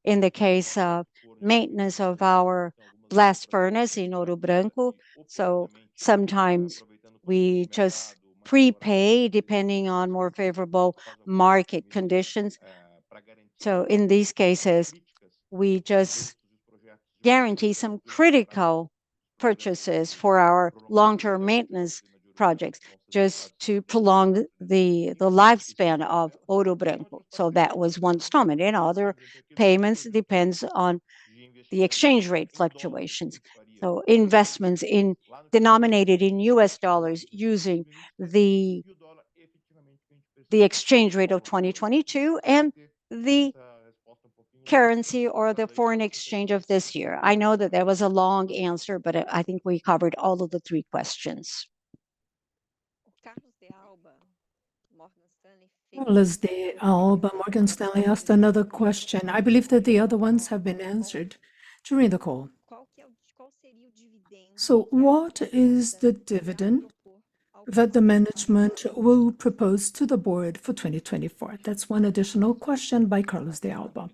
In the case of maintenance of our blast furnace in Ouro Branco. So sometimes we just prepay, depending on more favorable market conditions. So in these cases, we just guarantee some critical purchases for our long-term maintenance projects, just to prolong the lifespan of Ouro Branco. So that was one installment, and other payments depends on the exchange rate fluctuations. So investments denominated in US dollars using the exchange rate of 2022 and the currency or the foreign exchange of this year. I know that that was a long answer, but, I think we covered all of the three questions. Carlos de Alba, Morgan Stanley, asked another question. I believe that the other ones have been answered during the call. So what is the dividend that the management will propose to the board for 2024? That's one additional question by Carlos de Alba.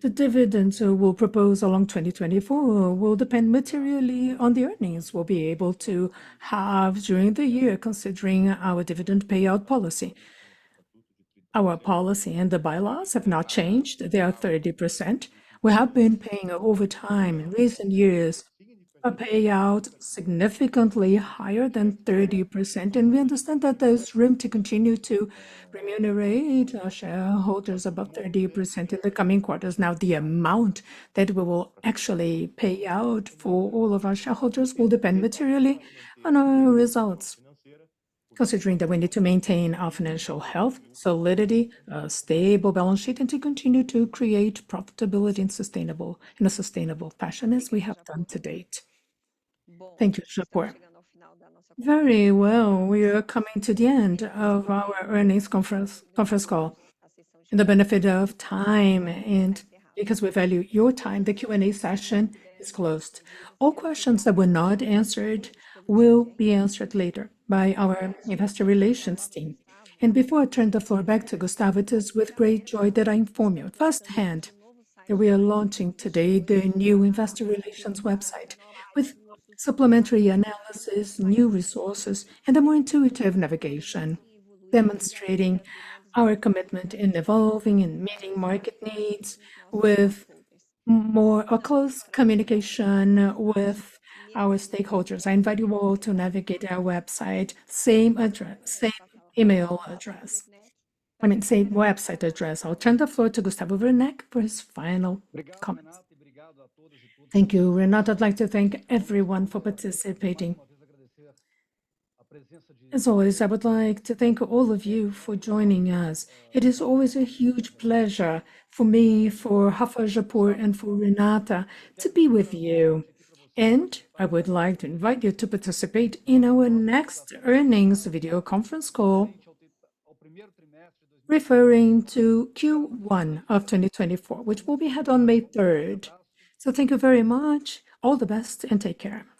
The dividend, so we'll propose along 2024, will depend materially on the earnings we'll be able to have during the year, considering our dividend payout policy. Our policy and the bylaws have not changed. They are 30%. We have been paying over time, in recent years, a payout significantly higher than 30%, and we understand that there's room to continue to remunerate our shareholders above 30% in the coming quarters. Now, the amount that we will actually pay out for all of our shareholders will depend materially on our results, considering that we need to maintain our financial health, solidity, stable balance sheet, and to continue to create profitability and sustainable - in a sustainable fashion, as we have done to date. Thank you, Japur. Very well. We are coming to the end of our earnings conference, conference call. In the benefit of time and because we value your time, the Q&A session is closed. All questions that were not answered will be answered later by our investor relations team. Before I turn the floor back to Gustavo, it is with great joy that I inform you firsthand, that we are launching today the new investor relations website, with supplementary analysis, new resources, and a more intuitive navigation, demonstrating our commitment in evolving and meeting market needs with more, a close communication with our stakeholders. I invite you all to navigate our website, same address, same email address. I mean, same website address. I'll turn the floor to Gustavo Werneck for his final comments. Thank you, Renata. I'd like to thank everyone for participating. As always, I would like to thank all of you for joining us. It is always a huge pleasure for me, for Rafael Japur, and for Renata to be with you. I would like to invite you to participate in our next earnings video conference call, referring to Q1 of 2024, which will be held on May third. Thank you very much. All the best, and take care.